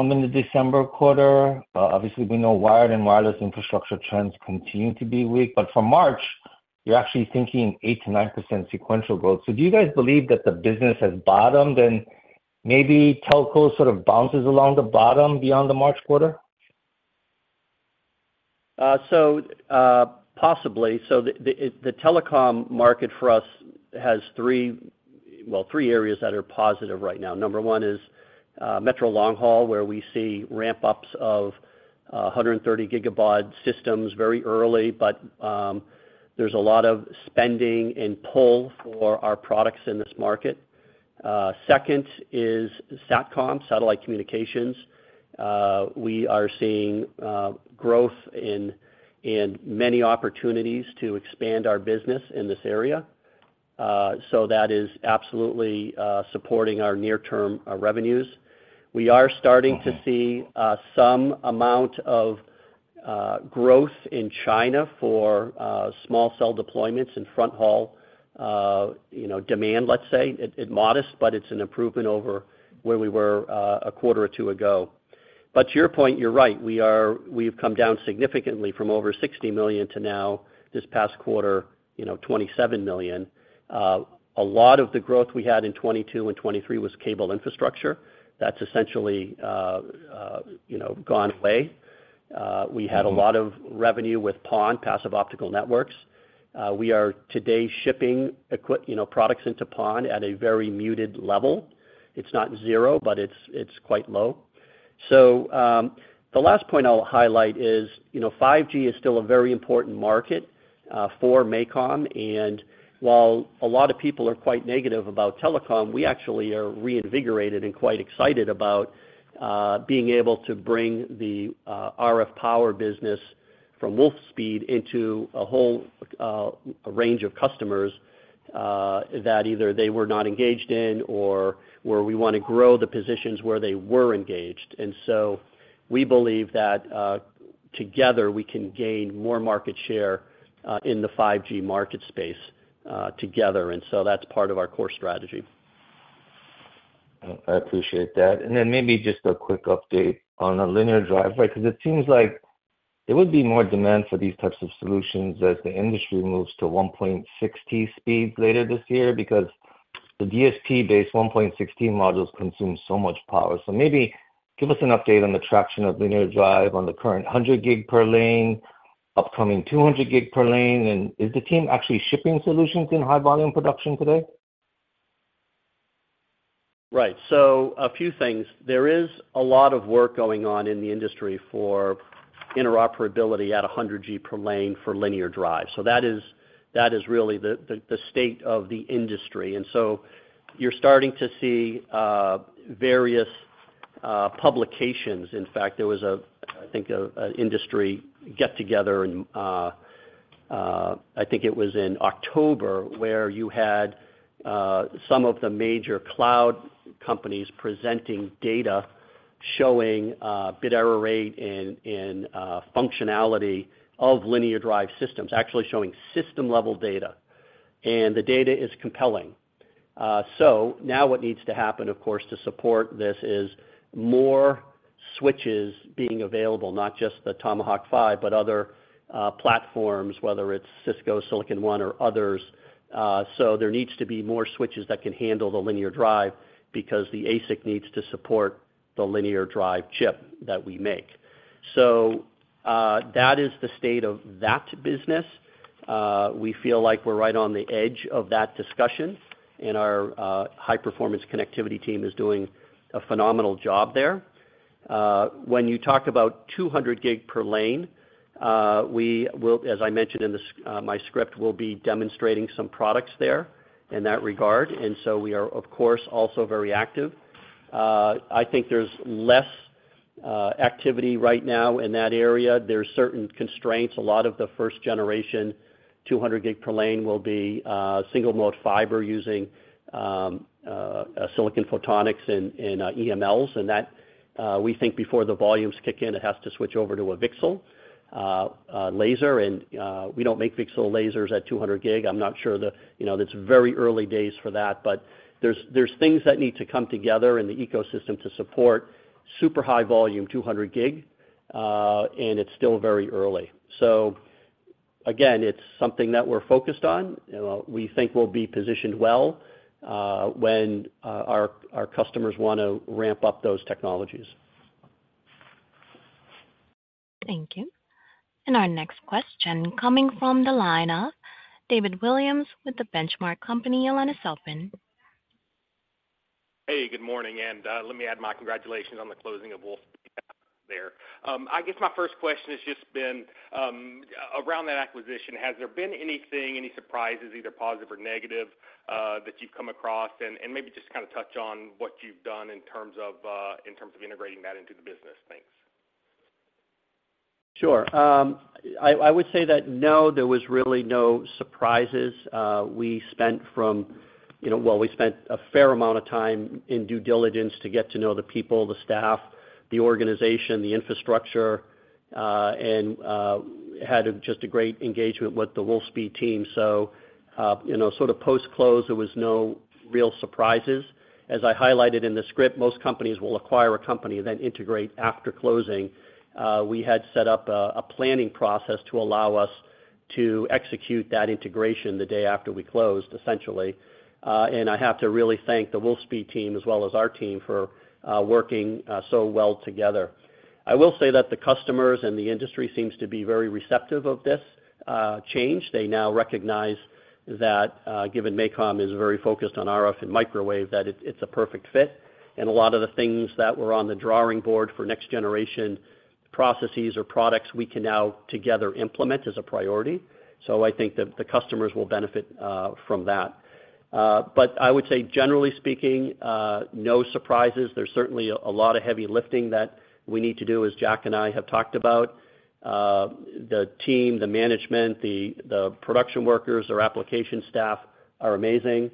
in the December quarter. Obviously, we know wired and wireless infrastructure trends continue to be weak. But for March, you're actually thinking 8%-9% sequential growth. So do you guys believe that the business has bottomed and maybe telco sort of bounces along the bottom beyond the March quarter?
So, possibly. So the telecom market for us has three, well, three areas that are positive right now. Number one is Metro Long-Haul, where we see ramp-ups of 130 Gb systems very early, but there's a lot of spending and pull for our products in this market. Second is SATCOM, satellite communications. We are seeing growth in many opportunities to expand our business in this area. So that is absolutely supporting our near-term revenues. We are starting-
Mm-hmm...
to see some amount of growth in China for small cell deployments and fronthaul, you know, demand, let's say. It's modest, but it's an improvement over where we were a quarter or two ago. But to your point, you're right. We've come down significantly from over $60 million to now, this past quarter, you know, $27 million. A lot of the growth we had in 2022 and 2023 was cable infrastructure. That's essentially, you know, gone away. We had a lot of revenue with PON, Passive Optical Networks. We are today shipping equip, you know, products into PON at a very muted level. It's not zero, but it's quite low. So, the last point I'll highlight is, you know, 5G is still a very important market for MACOM. And while a lot of people are quite negative about telecom, we actually are reinvigorated and quite excited about being able to bring the RF power business from Wolfspeed into a whole range of customers that either they were not engaged in or where we wanna grow the positions where they were engaged. And so we believe that together we can gain more market share in the 5G market space together. And so that's part of our core strategy.
I appreciate that. Then maybe just a quick update on the linear drive, right? Because it seems like there would be more demand for these types of solutions as the industry moves to 1.6 speeds later this year, because the DSP-based 1.6T modules consume so much power. Maybe give us an update on the traction of linear drive on the current 100 Gb per lane, upcoming 200 Gb per lane, and is the team actually shipping solutions in high volume production today?
Right. So a few things. There is a lot of work going on in the industry for interoperability at 100G per lane for linear drive. So that is really the state of the industry. And so you're starting to see various publications. In fact, there was, I think, an industry get-together in, I think it was in October, where you had some of the major cloud companies presenting data, showing bit error rate and functionality of linear drive systems, actually showing system-level data. And the data is compelling. So now what needs to happen, of course, to support this is more switches being available, not just the Tomahawk 5, but other platforms, whether it's Cisco, Silicon One, or others. So there needs to be more switches that can handle the linear drive because the ASIC needs to support the linear drive chip that we make. So, that is the state of that business. We feel like we're right on the edge of that discussion, and our high-performance connectivity team is doing a phenomenal job there. When you talk about 200 Gb per lane, we will, as I mentioned in my script, we'll be demonstrating some products there in that regard, and so we are, of course, also very active. I think there's less activity right now in that area. There are certain constraints. A lot of the first generation, 200 Gb per lane will be single-mode fiber using silicon photonics and EMLs. That, we think before the volumes kick in, it has to switch over to a VCSEL laser, and we don't make VCSEL lasers at 200 Gb. I'm not sure the... You know, that's very early days for that, but there's things that need to come together in the ecosystem to support super high volume, 200 Gb, and it's still very early. So again, it's something that we're focused on. We think we'll be positioned well, when our customers wanna ramp up those technologies.
Thank you. And our next question coming from the line of David Williams with The Benchmark Company. Your line is open.
Hey, good morning, and let me add my congratulations on the closing of Wolfspeed there. I guess my first question has just been around that acquisition. Has there been anything, any surprises, either positive or negative, that you've come across? And maybe just kind of touch on what you've done in terms of integrating that into the business. Thanks.
Sure. I would say that, no, there was really no surprises. We spent a fair amount of time in due diligence to get to know the people, the staff, the organization, the infrastructure, and had just a great engagement with the Wolfspeed team. So, you know, sort of post-close, there was no real surprises. As I highlighted in the script, most companies will acquire a company, then integrate after closing. We had set up a planning process to allow us to execute that integration the day after we closed, essentially. And I have to really thank the Wolfspeed team, as well as our team, for working so well together. I will say that the customers and the industry seems to be very receptive of this change. They now recognize that, given MACOM is very focused on RF and microwave, that it's a perfect fit. And a lot of the things that were on the drawing board for next-generation processes or products, we can now together implement as a priority. So I think that the customers will benefit from that. But I would say, generally speaking, no surprises. There's certainly a lot of heavy lifting that we need to do, as Jack and I have talked about. The team, the management, the production workers, our application staff are amazing.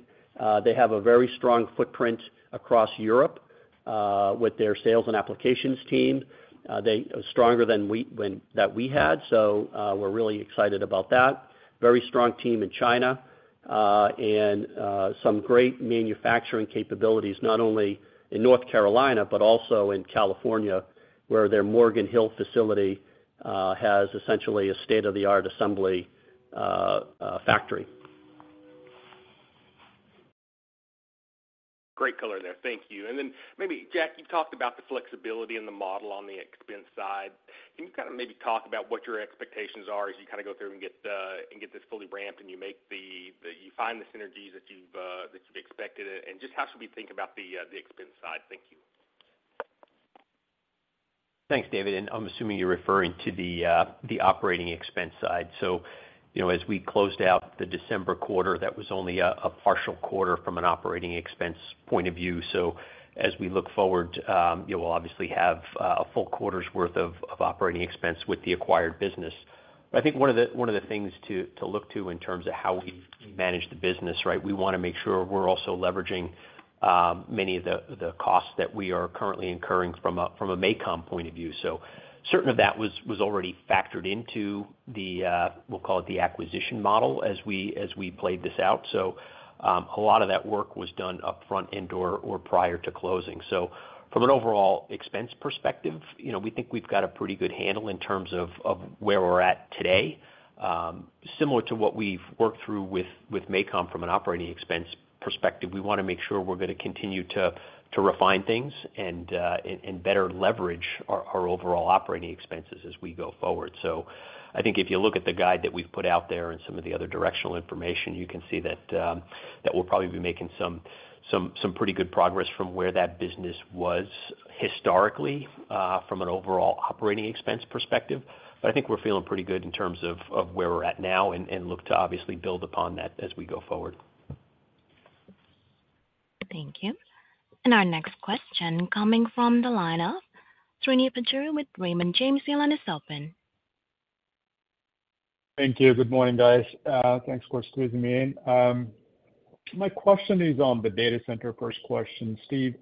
They have a very strong footprint across Europe with their sales and applications team. They are stronger than we had, so we're really excited about that. Very strong team in China, and some great manufacturing capabilities, not only in North Carolina, but also in California, where their Morgan Hill facility has essentially a state-of-the-art assembly factory.
Thank you. Then maybe, Jack, you talked about the flexibility in the model on the expense side. Can you kind of maybe talk about what your expectations are as you kind of go through and get and get this fully ramped, and you find the synergies that you've expected, and just how should we think about the expense side? Thank you.
Thanks, David, and I'm assuming you're referring to the operating expense side. So, you know, as we closed out the December quarter, that was only a partial quarter from an operating expense point of view. So as we look forward, you will obviously have a full quarter's worth of operating expense with the acquired business. But I think one of the things to look to in terms of how we manage the business, right? We wanna make sure we're also leveraging many of the costs that we are currently incurring from a MACOM point of view. So certain of that was already factored into the, we'll call it the acquisition model, as we played this out. So, a lot of that work was done upfront and/or prior to closing. So from an overall expense perspective, you know, we think we've got a pretty good handle in terms of where we're at today. Similar to what we've worked through with MACOM from an operating expense perspective, we wanna make sure we're gonna continue to refine things and better leverage our overall operating expenses as we go forward. So I think if you look at the guide that we've put out there and some of the other directional information, you can see that we'll probably be making some pretty good progress from where that business was historically from an overall operating expense perspective. But I think we're feeling pretty good in terms of where we're at now and look to obviously build upon that as we go forward.
Thank you. And our next question coming from the line of Srini Pajjuri with Raymond James. Your line is open.
Thank you. Good morning, guys. Thanks for squeezing me in. My question is on the data center. First question, Steve,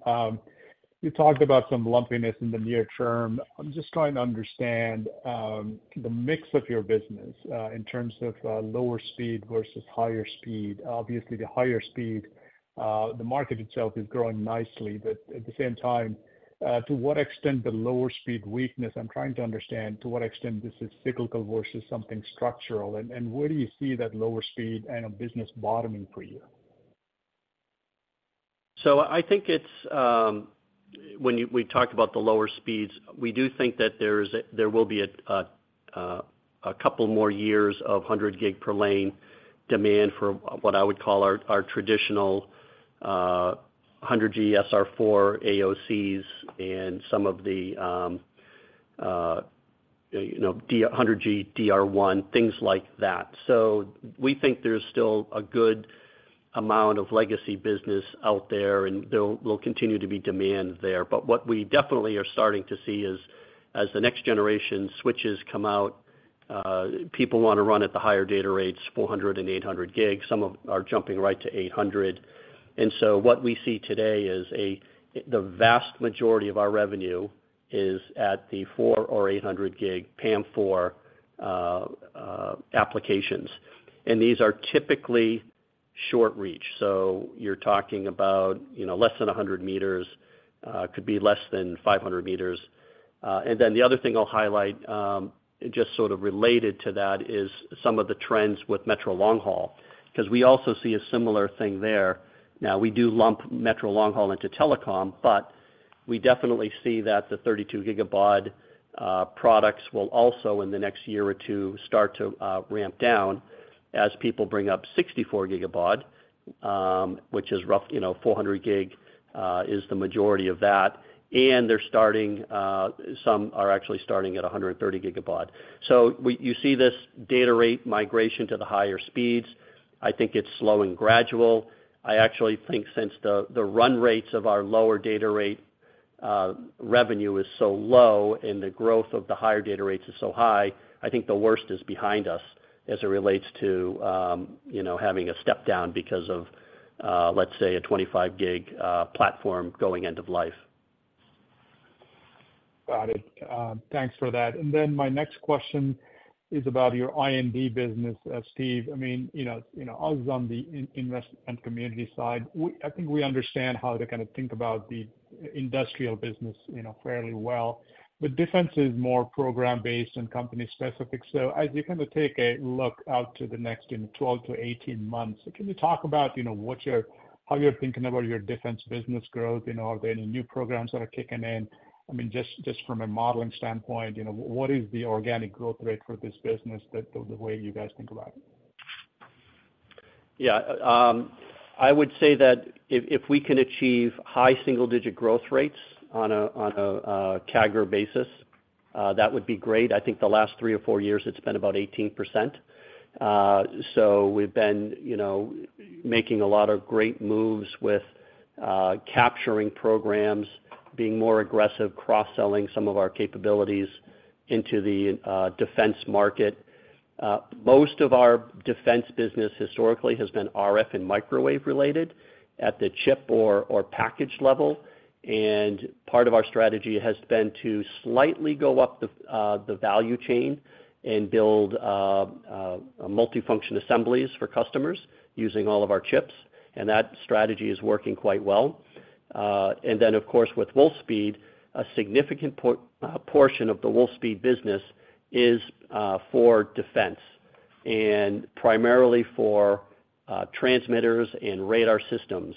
you talked about some lumpiness in the near term. I'm just trying to understand the mix of your business in terms of lower speed versus higher speed. Obviously, the higher speed, the market itself is growing nicely. But at the same time, to what extent the lower speed weakness, I'm trying to understand to what extent this is cyclical versus something structural. And where do you see that lower speed and a business bottoming for you?
So I think it's when we talked about the lower speeds, we do think that there will be a couple more years of 100 Gb per lane demand for what I would call our traditional 100G SR4 AOCs and some of the, you know, DR 100G DR1, things like that. So we think there's still a good amount of legacy business out there, and there will continue to be demand there. But what we definitely are starting to see is, as the next generation switches come out, people wanna run at the higher data rates, 400 and 800 Gb. Some of them are jumping right to 800. And so what we see today is the vast majority of our revenue is at the 400 or 800 Gb PAM4 applications. These are typically short reach. So you're talking about, you know, less than 100 m, could be less than 500 m. And then the other thing I'll highlight, just sort of related to that, is some of the trends with Metro Long-Haul, 'cause we also see a similar thing there. Now, we do lump Metro Long-Haul into telecom, but we definitely see that the 32 gigabaud products will also, in the next year or two, start to ramp down as people bring up 64 gigabaud, which is, you know, 400 Gb, is the majority of that. And they're starting, some are actually starting at 130 gigabaud. So you see this data rate migration to the higher speeds. I think it's slow and gradual. I actually think since the run rates of our lower data rate revenue is so low, and the growth of the higher data rates is so high, I think the worst is behind us as it relates to, you know, having a step down because of, let's say, a 25 Gb platform going end of life.
Got it. Thanks for that. And then my next question is about your I&D business, Steve. I mean, you know, you know us on the investment and community side, we, I think we understand how to kind of think about the industrial business, you know, fairly well. But defense is more program based and company specific. So as you kind of take a look out to the next, you know, 12-18 months, can you talk about, you know, what you're, how you're thinking about your defense business growth? You know, are there any new programs that are kicking in? I mean, just from a modeling standpoint, you know, what is the organic growth rate for this business that the way you guys think about it?
Yeah, I would say that if we can achieve high single-digit growth rates on a CAGR basis, that would be great. I think the last 3 or 4 years, it's been about 18%. So we've been, you know, making a lot of great moves with capturing programs, being more aggressive, cross-selling some of our capabilities into the defense market. Most of our defense business historically has been RF and microwave related at the chip or package level, and part of our strategy has been to slightly go up the value chain and build multifunction assemblies for customers using all of our chips, and that strategy is working quite well. And then, of course, with Wolfspeed, a significant portion of the Wolfspeed business is for defense.... and primarily for transmitters and radar systems.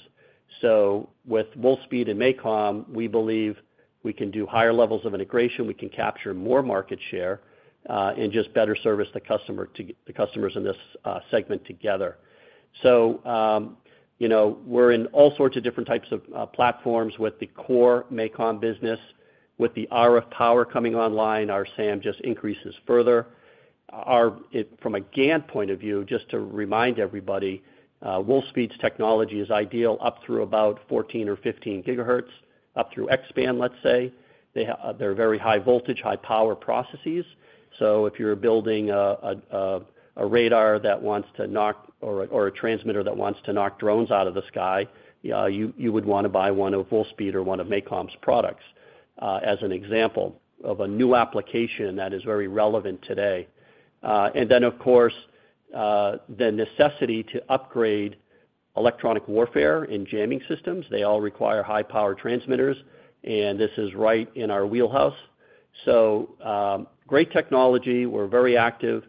So with Wolfspeed and MACOM, we believe we can do higher levels of integration, we can capture more market share, and just better service the customer to- the customers in this segment together. So, you know, we're in all sorts of different types of platforms with the core MACOM business, with the RF power coming online, our SAM just increases further. It, from a GaN point of view, just to remind everybody, Wolfspeed's technology is ideal up through about 14 or 15 GHz, up through X band, let's say. They're very high voltage, high power processes. So if you're building a radar that wants to knock, or a transmitter that wants to knock drones out of the sky, you would wanna buy one of Wolfspeed or one of MACOM's products, as an example of a new application that is very relevant today. And then of course, the necessity to upgrade electronic warfare and jamming systems, they all require high power transmitters, and this is right in our wheelhouse. So, great technology. We're very active,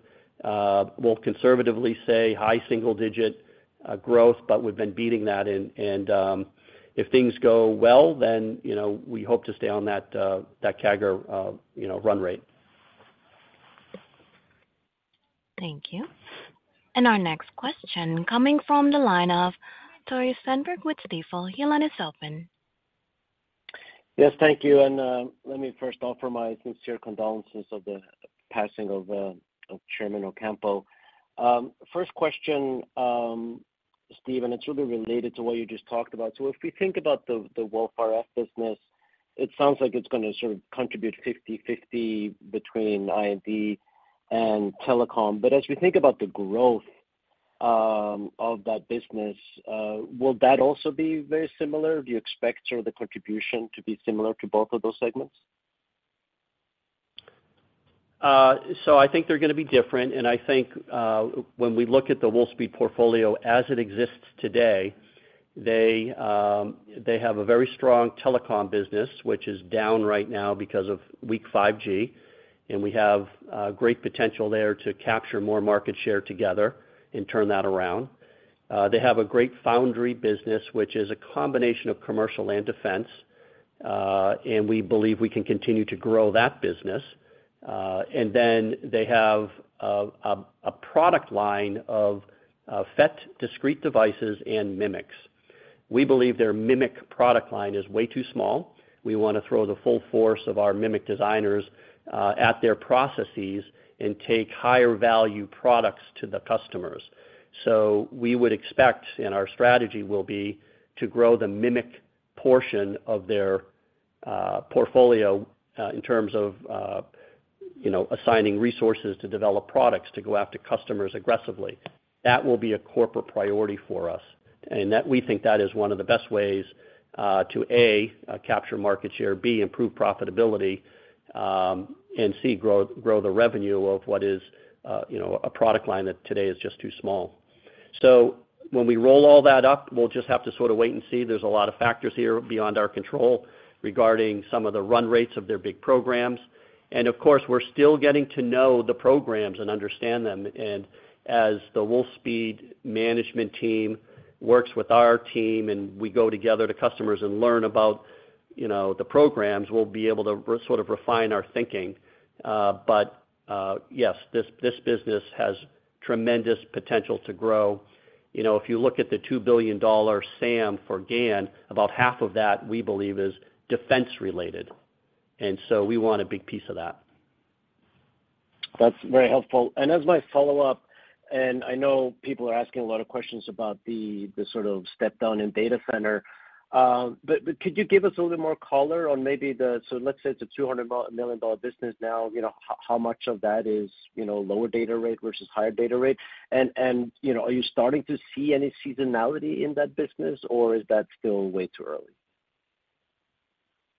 we'll conservatively say high single digit growth, but we've been beating that. And if things go well, then, you know, we hope to stay on that, that CAGR, you know, run rate.
Thank you. Our next question coming from the line of Tore Svanberg with Stifel. Your line is open.
Yes, thank you. And, let me first offer my sincere condolences of the passing of, of Chairman Ocampo. First question, Steven, it's really related to what you just talked about. So if we think about the, the Wolfspeed RF business, it sounds like it's gonna sort of contribute 50/50 between I&D and telecom. But as we think about the growth, of that business, will that also be very similar? Do you expect sort of the contribution to be similar to both of those segments?
So I think they're gonna be different, and I think when we look at the Wolfspeed portfolio as it exists today, they have a very strong telecom business, which is down right now because of weak 5G, and we have great potential there to capture more market share together and turn that around. They have a great foundry business, which is a combination of commercial and defense, and we believe we can continue to grow that business. And then they have a product line of FET discrete devices and MMICs. We believe their MMIC product line is way too small. We wanna throw the full force of our MMIC designers at their processes and take higher value products to the customers. So we would expect, and our strategy will be, to grow the MMIC portion of their portfolio, in terms of, you know, assigning resources to develop products to go after customers aggressively. That will be a corporate priority for us, and that we think that is one of the best ways to A, capture market share, B, improve profitability, and C, grow, grow the revenue of what is, you know, a product line that today is just too small. So when we roll all that up, we'll just have to sort of wait and see. There's a lot of factors here beyond our control regarding some of the run rates of their big programs. And of course, we're still getting to know the programs and understand them, and as the Wolfspeed management team works with our team, and we go together to customers and learn about, you know, the programs, we'll be able to re- sort of refine our thinking. But, yes, this, this business has tremendous potential to grow. You know, if you look at the $2 billion SAM for GaN, about half of that, we believe, is defense related, and so we want a big piece of that.
That's very helpful. And as my follow-up, and I know people are asking a lot of questions about the sort of step down in data center, but, but could you give us a little more color on maybe so let's say it's a $200 million business now, you know, how much of that is, you know, lower data rate versus higher data rate? And, and, you know, are you starting to see any seasonality in that business, or is that still way too early?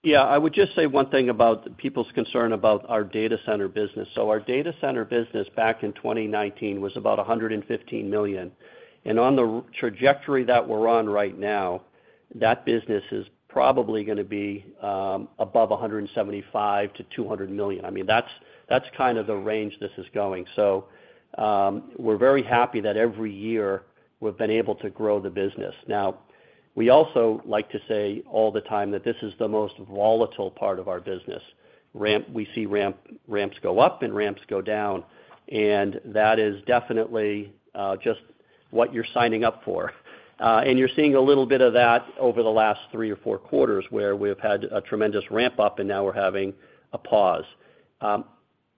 Yeah, I would just say one thing about people's concern about our data center business. So our data center business back in 2019 was about $115 million. On the trajectory that we're on right now, that business is probably gonna be above $175 million-$200 million. I mean, that's kind of the range this is going. So we're very happy that every year we've been able to grow the business. Now, we also like to say all the time that this is the most volatile part of our business. We see ramps go up and ramps go down, and that is definitely just what you're signing up for. And you're seeing a little bit of that over the last three or four quarters, where we've had a tremendous ramp up, and now we're having a pause.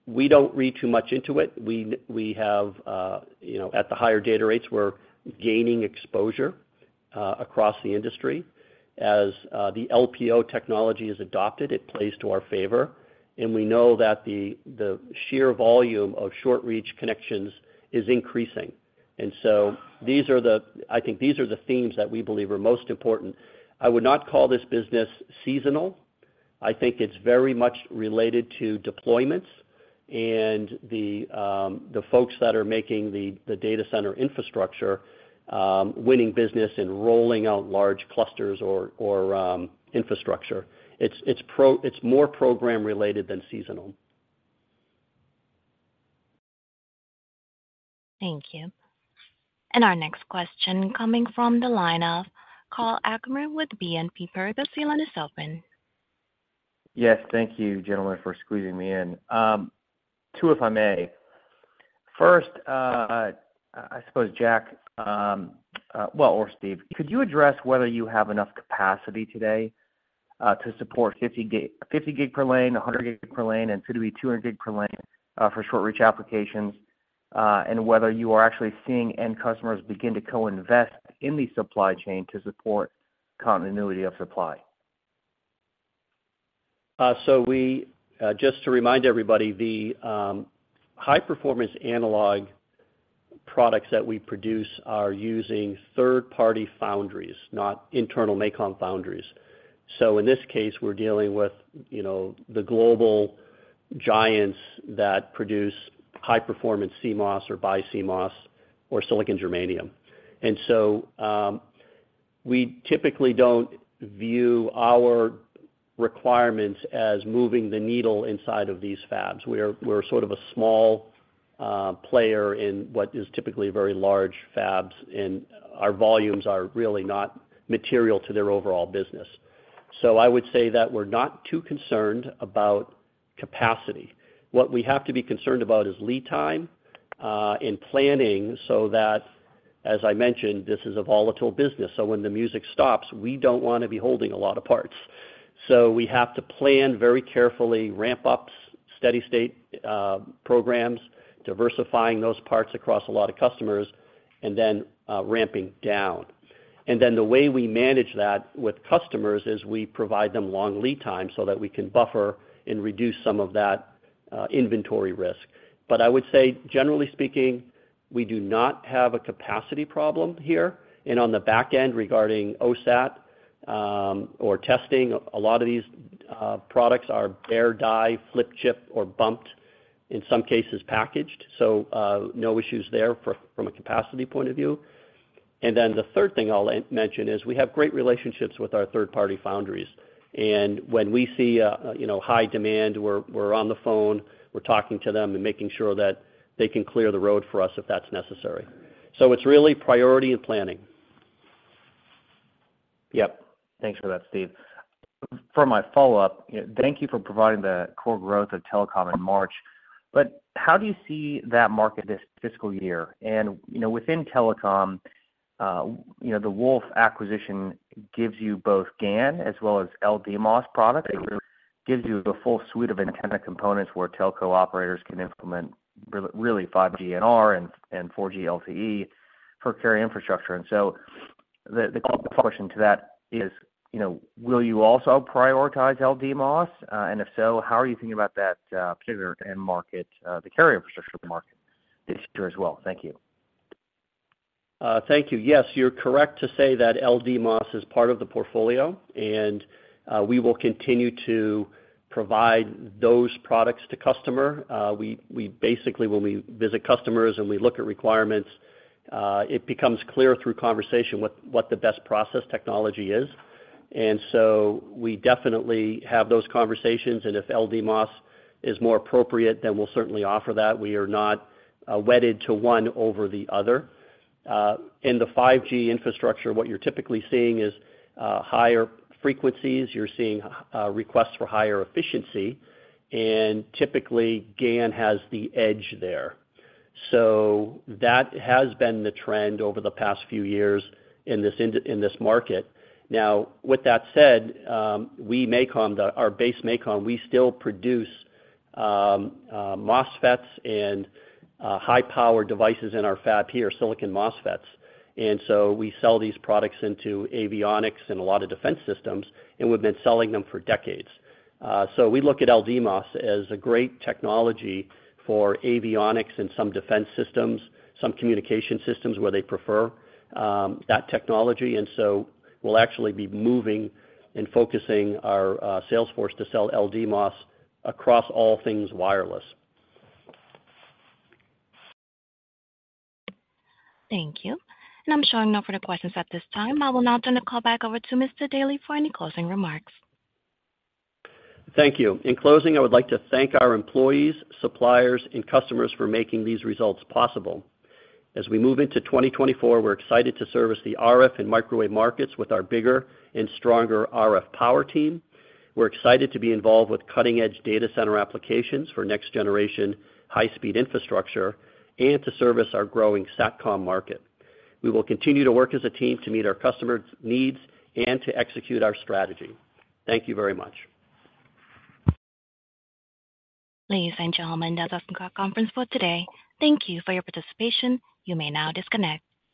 We don't read too much into it. We have, you know, at the higher data rates, we're gaining exposure across the industry. As the LPO technology is adopted, it plays to our favor, and we know that the sheer volume of short reach connections is increasing. And so these are, I think, these are the themes that we believe are most important. I would not call this business seasonal. I think it's very much related to deployments and the folks that are making the data center infrastructure, winning business and rolling out large clusters or infrastructure. It's more program related than seasonal.
Thank you. Our next question coming from the line of Karl Ackerman with BNP Paribas. The floor is open.
Yes, thank you, gentlemen, for squeezing me in. Two, if I may. First, I suppose, Jack, or Steve, could you address whether you have enough capacity today to support 50 Gb per lane, 100 Gb per lane, and soon to be 200 Gb per lane, for short reach applications, and whether you are actually seeing end customers begin to co-invest in the supply chain to support continuity of supply?
So we just to remind everybody, the high-performance analog products that we produce are using third-party foundries, not internal MACOM foundries. So in this case, we're dealing with, you know, the global giants that produce high-performance CMOS or BiCMOS or Silicon Germanium. And so we typically don't view our requirements as moving the needle inside of these fabs. We're sort of a small player in what is typically very large fabs, and our volumes are really not material to their overall business. So I would say that we're not too concerned about capacity. What we have to be concerned about is lead time and planning, so that, as I mentioned, this is a volatile business, so when the music stops, we don't wanna be holding a lot of parts. So we have to plan very carefully, ramp up steady state programs, diversifying those parts across a lot of customers, and then ramping down. And then the way we manage that with customers is we provide them long lead time so that we can buffer and reduce some of that inventory risk. But I would say, generally speaking, we do not have a capacity problem here. And on the back end, regarding OSAT or testing, a lot of these products are bare die, flip chip, or bumped, in some cases packaged, so no issues there from a capacity point of view. And then the third thing I'll mention is we have great relationships with our third-party foundries, and when we see a, you know, high demand, we're on the phone, we're talking to them and making sure that they can clear the road for us if that's necessary. So it's really priority and planning.
Yep. Thanks for that, Steve. For my follow-up, thank you for providing the core growth of telecom in March, but how do you see that market this fiscal year? And, you know, within telecom, you know, the Wolfspeed acquisition gives you both GaN as well as LDMOS products. It gives you the full suite of antenna components where telco operators can implement really 5G NR and 4G LTE for carrier infrastructure. And so the follow-up question to that is, you know, will you also prioritize LDMOS? And if so, how are you thinking about that particular end market, the carrier infrastructure market this year as well? Thank you.
Thank you. Yes, you're correct to say that LDMOS is part of the portfolio, and we will continue to provide those products to customer. We basically, when we visit customers and we look at requirements, it becomes clear through conversation what the best process technology is. And so we definitely have those conversations, and if LDMOS is more appropriate, then we'll certainly offer that. We are not wedded to one over the other. In the 5G infrastructure, what you're typically seeing is higher frequencies. You're seeing requests for higher efficiency, and typically, GaN has the edge there. So that has been the trend over the past few years in this market. Now, with that said, we, MACOM, our base MACOM, we still produce, MOSFETs and, high-powered devices in our fab here, silicon MOSFETs, and so we sell these products into avionics and a lot of defense systems, and we've been selling them for decades. So we look at LDMOS as a great technology for avionics and some defense systems, some communication systems where they prefer, that technology, and so we'll actually be moving and focusing our, sales force to sell LDMOS across all things wireless.
Thank you. And I'm showing no further questions at this time. I will now turn the call back over to Mr. Daly for any closing remarks.
Thank you. In closing, I would like to thank our employees, suppliers, and customers for making these results possible. As we move into 2024, we're excited to service the RF and microwave markets with our bigger and stronger RF power team. We're excited to be involved with cutting-edge data center applications for next generation high-speed infrastructure and to service our growing Satcom market. We will continue to work as a team to meet our customers' needs and to execute our strategy. Thank you very much.
Ladies and gentlemen, that's the end of our conference call today. Thank you for your participation. You may now disconnect.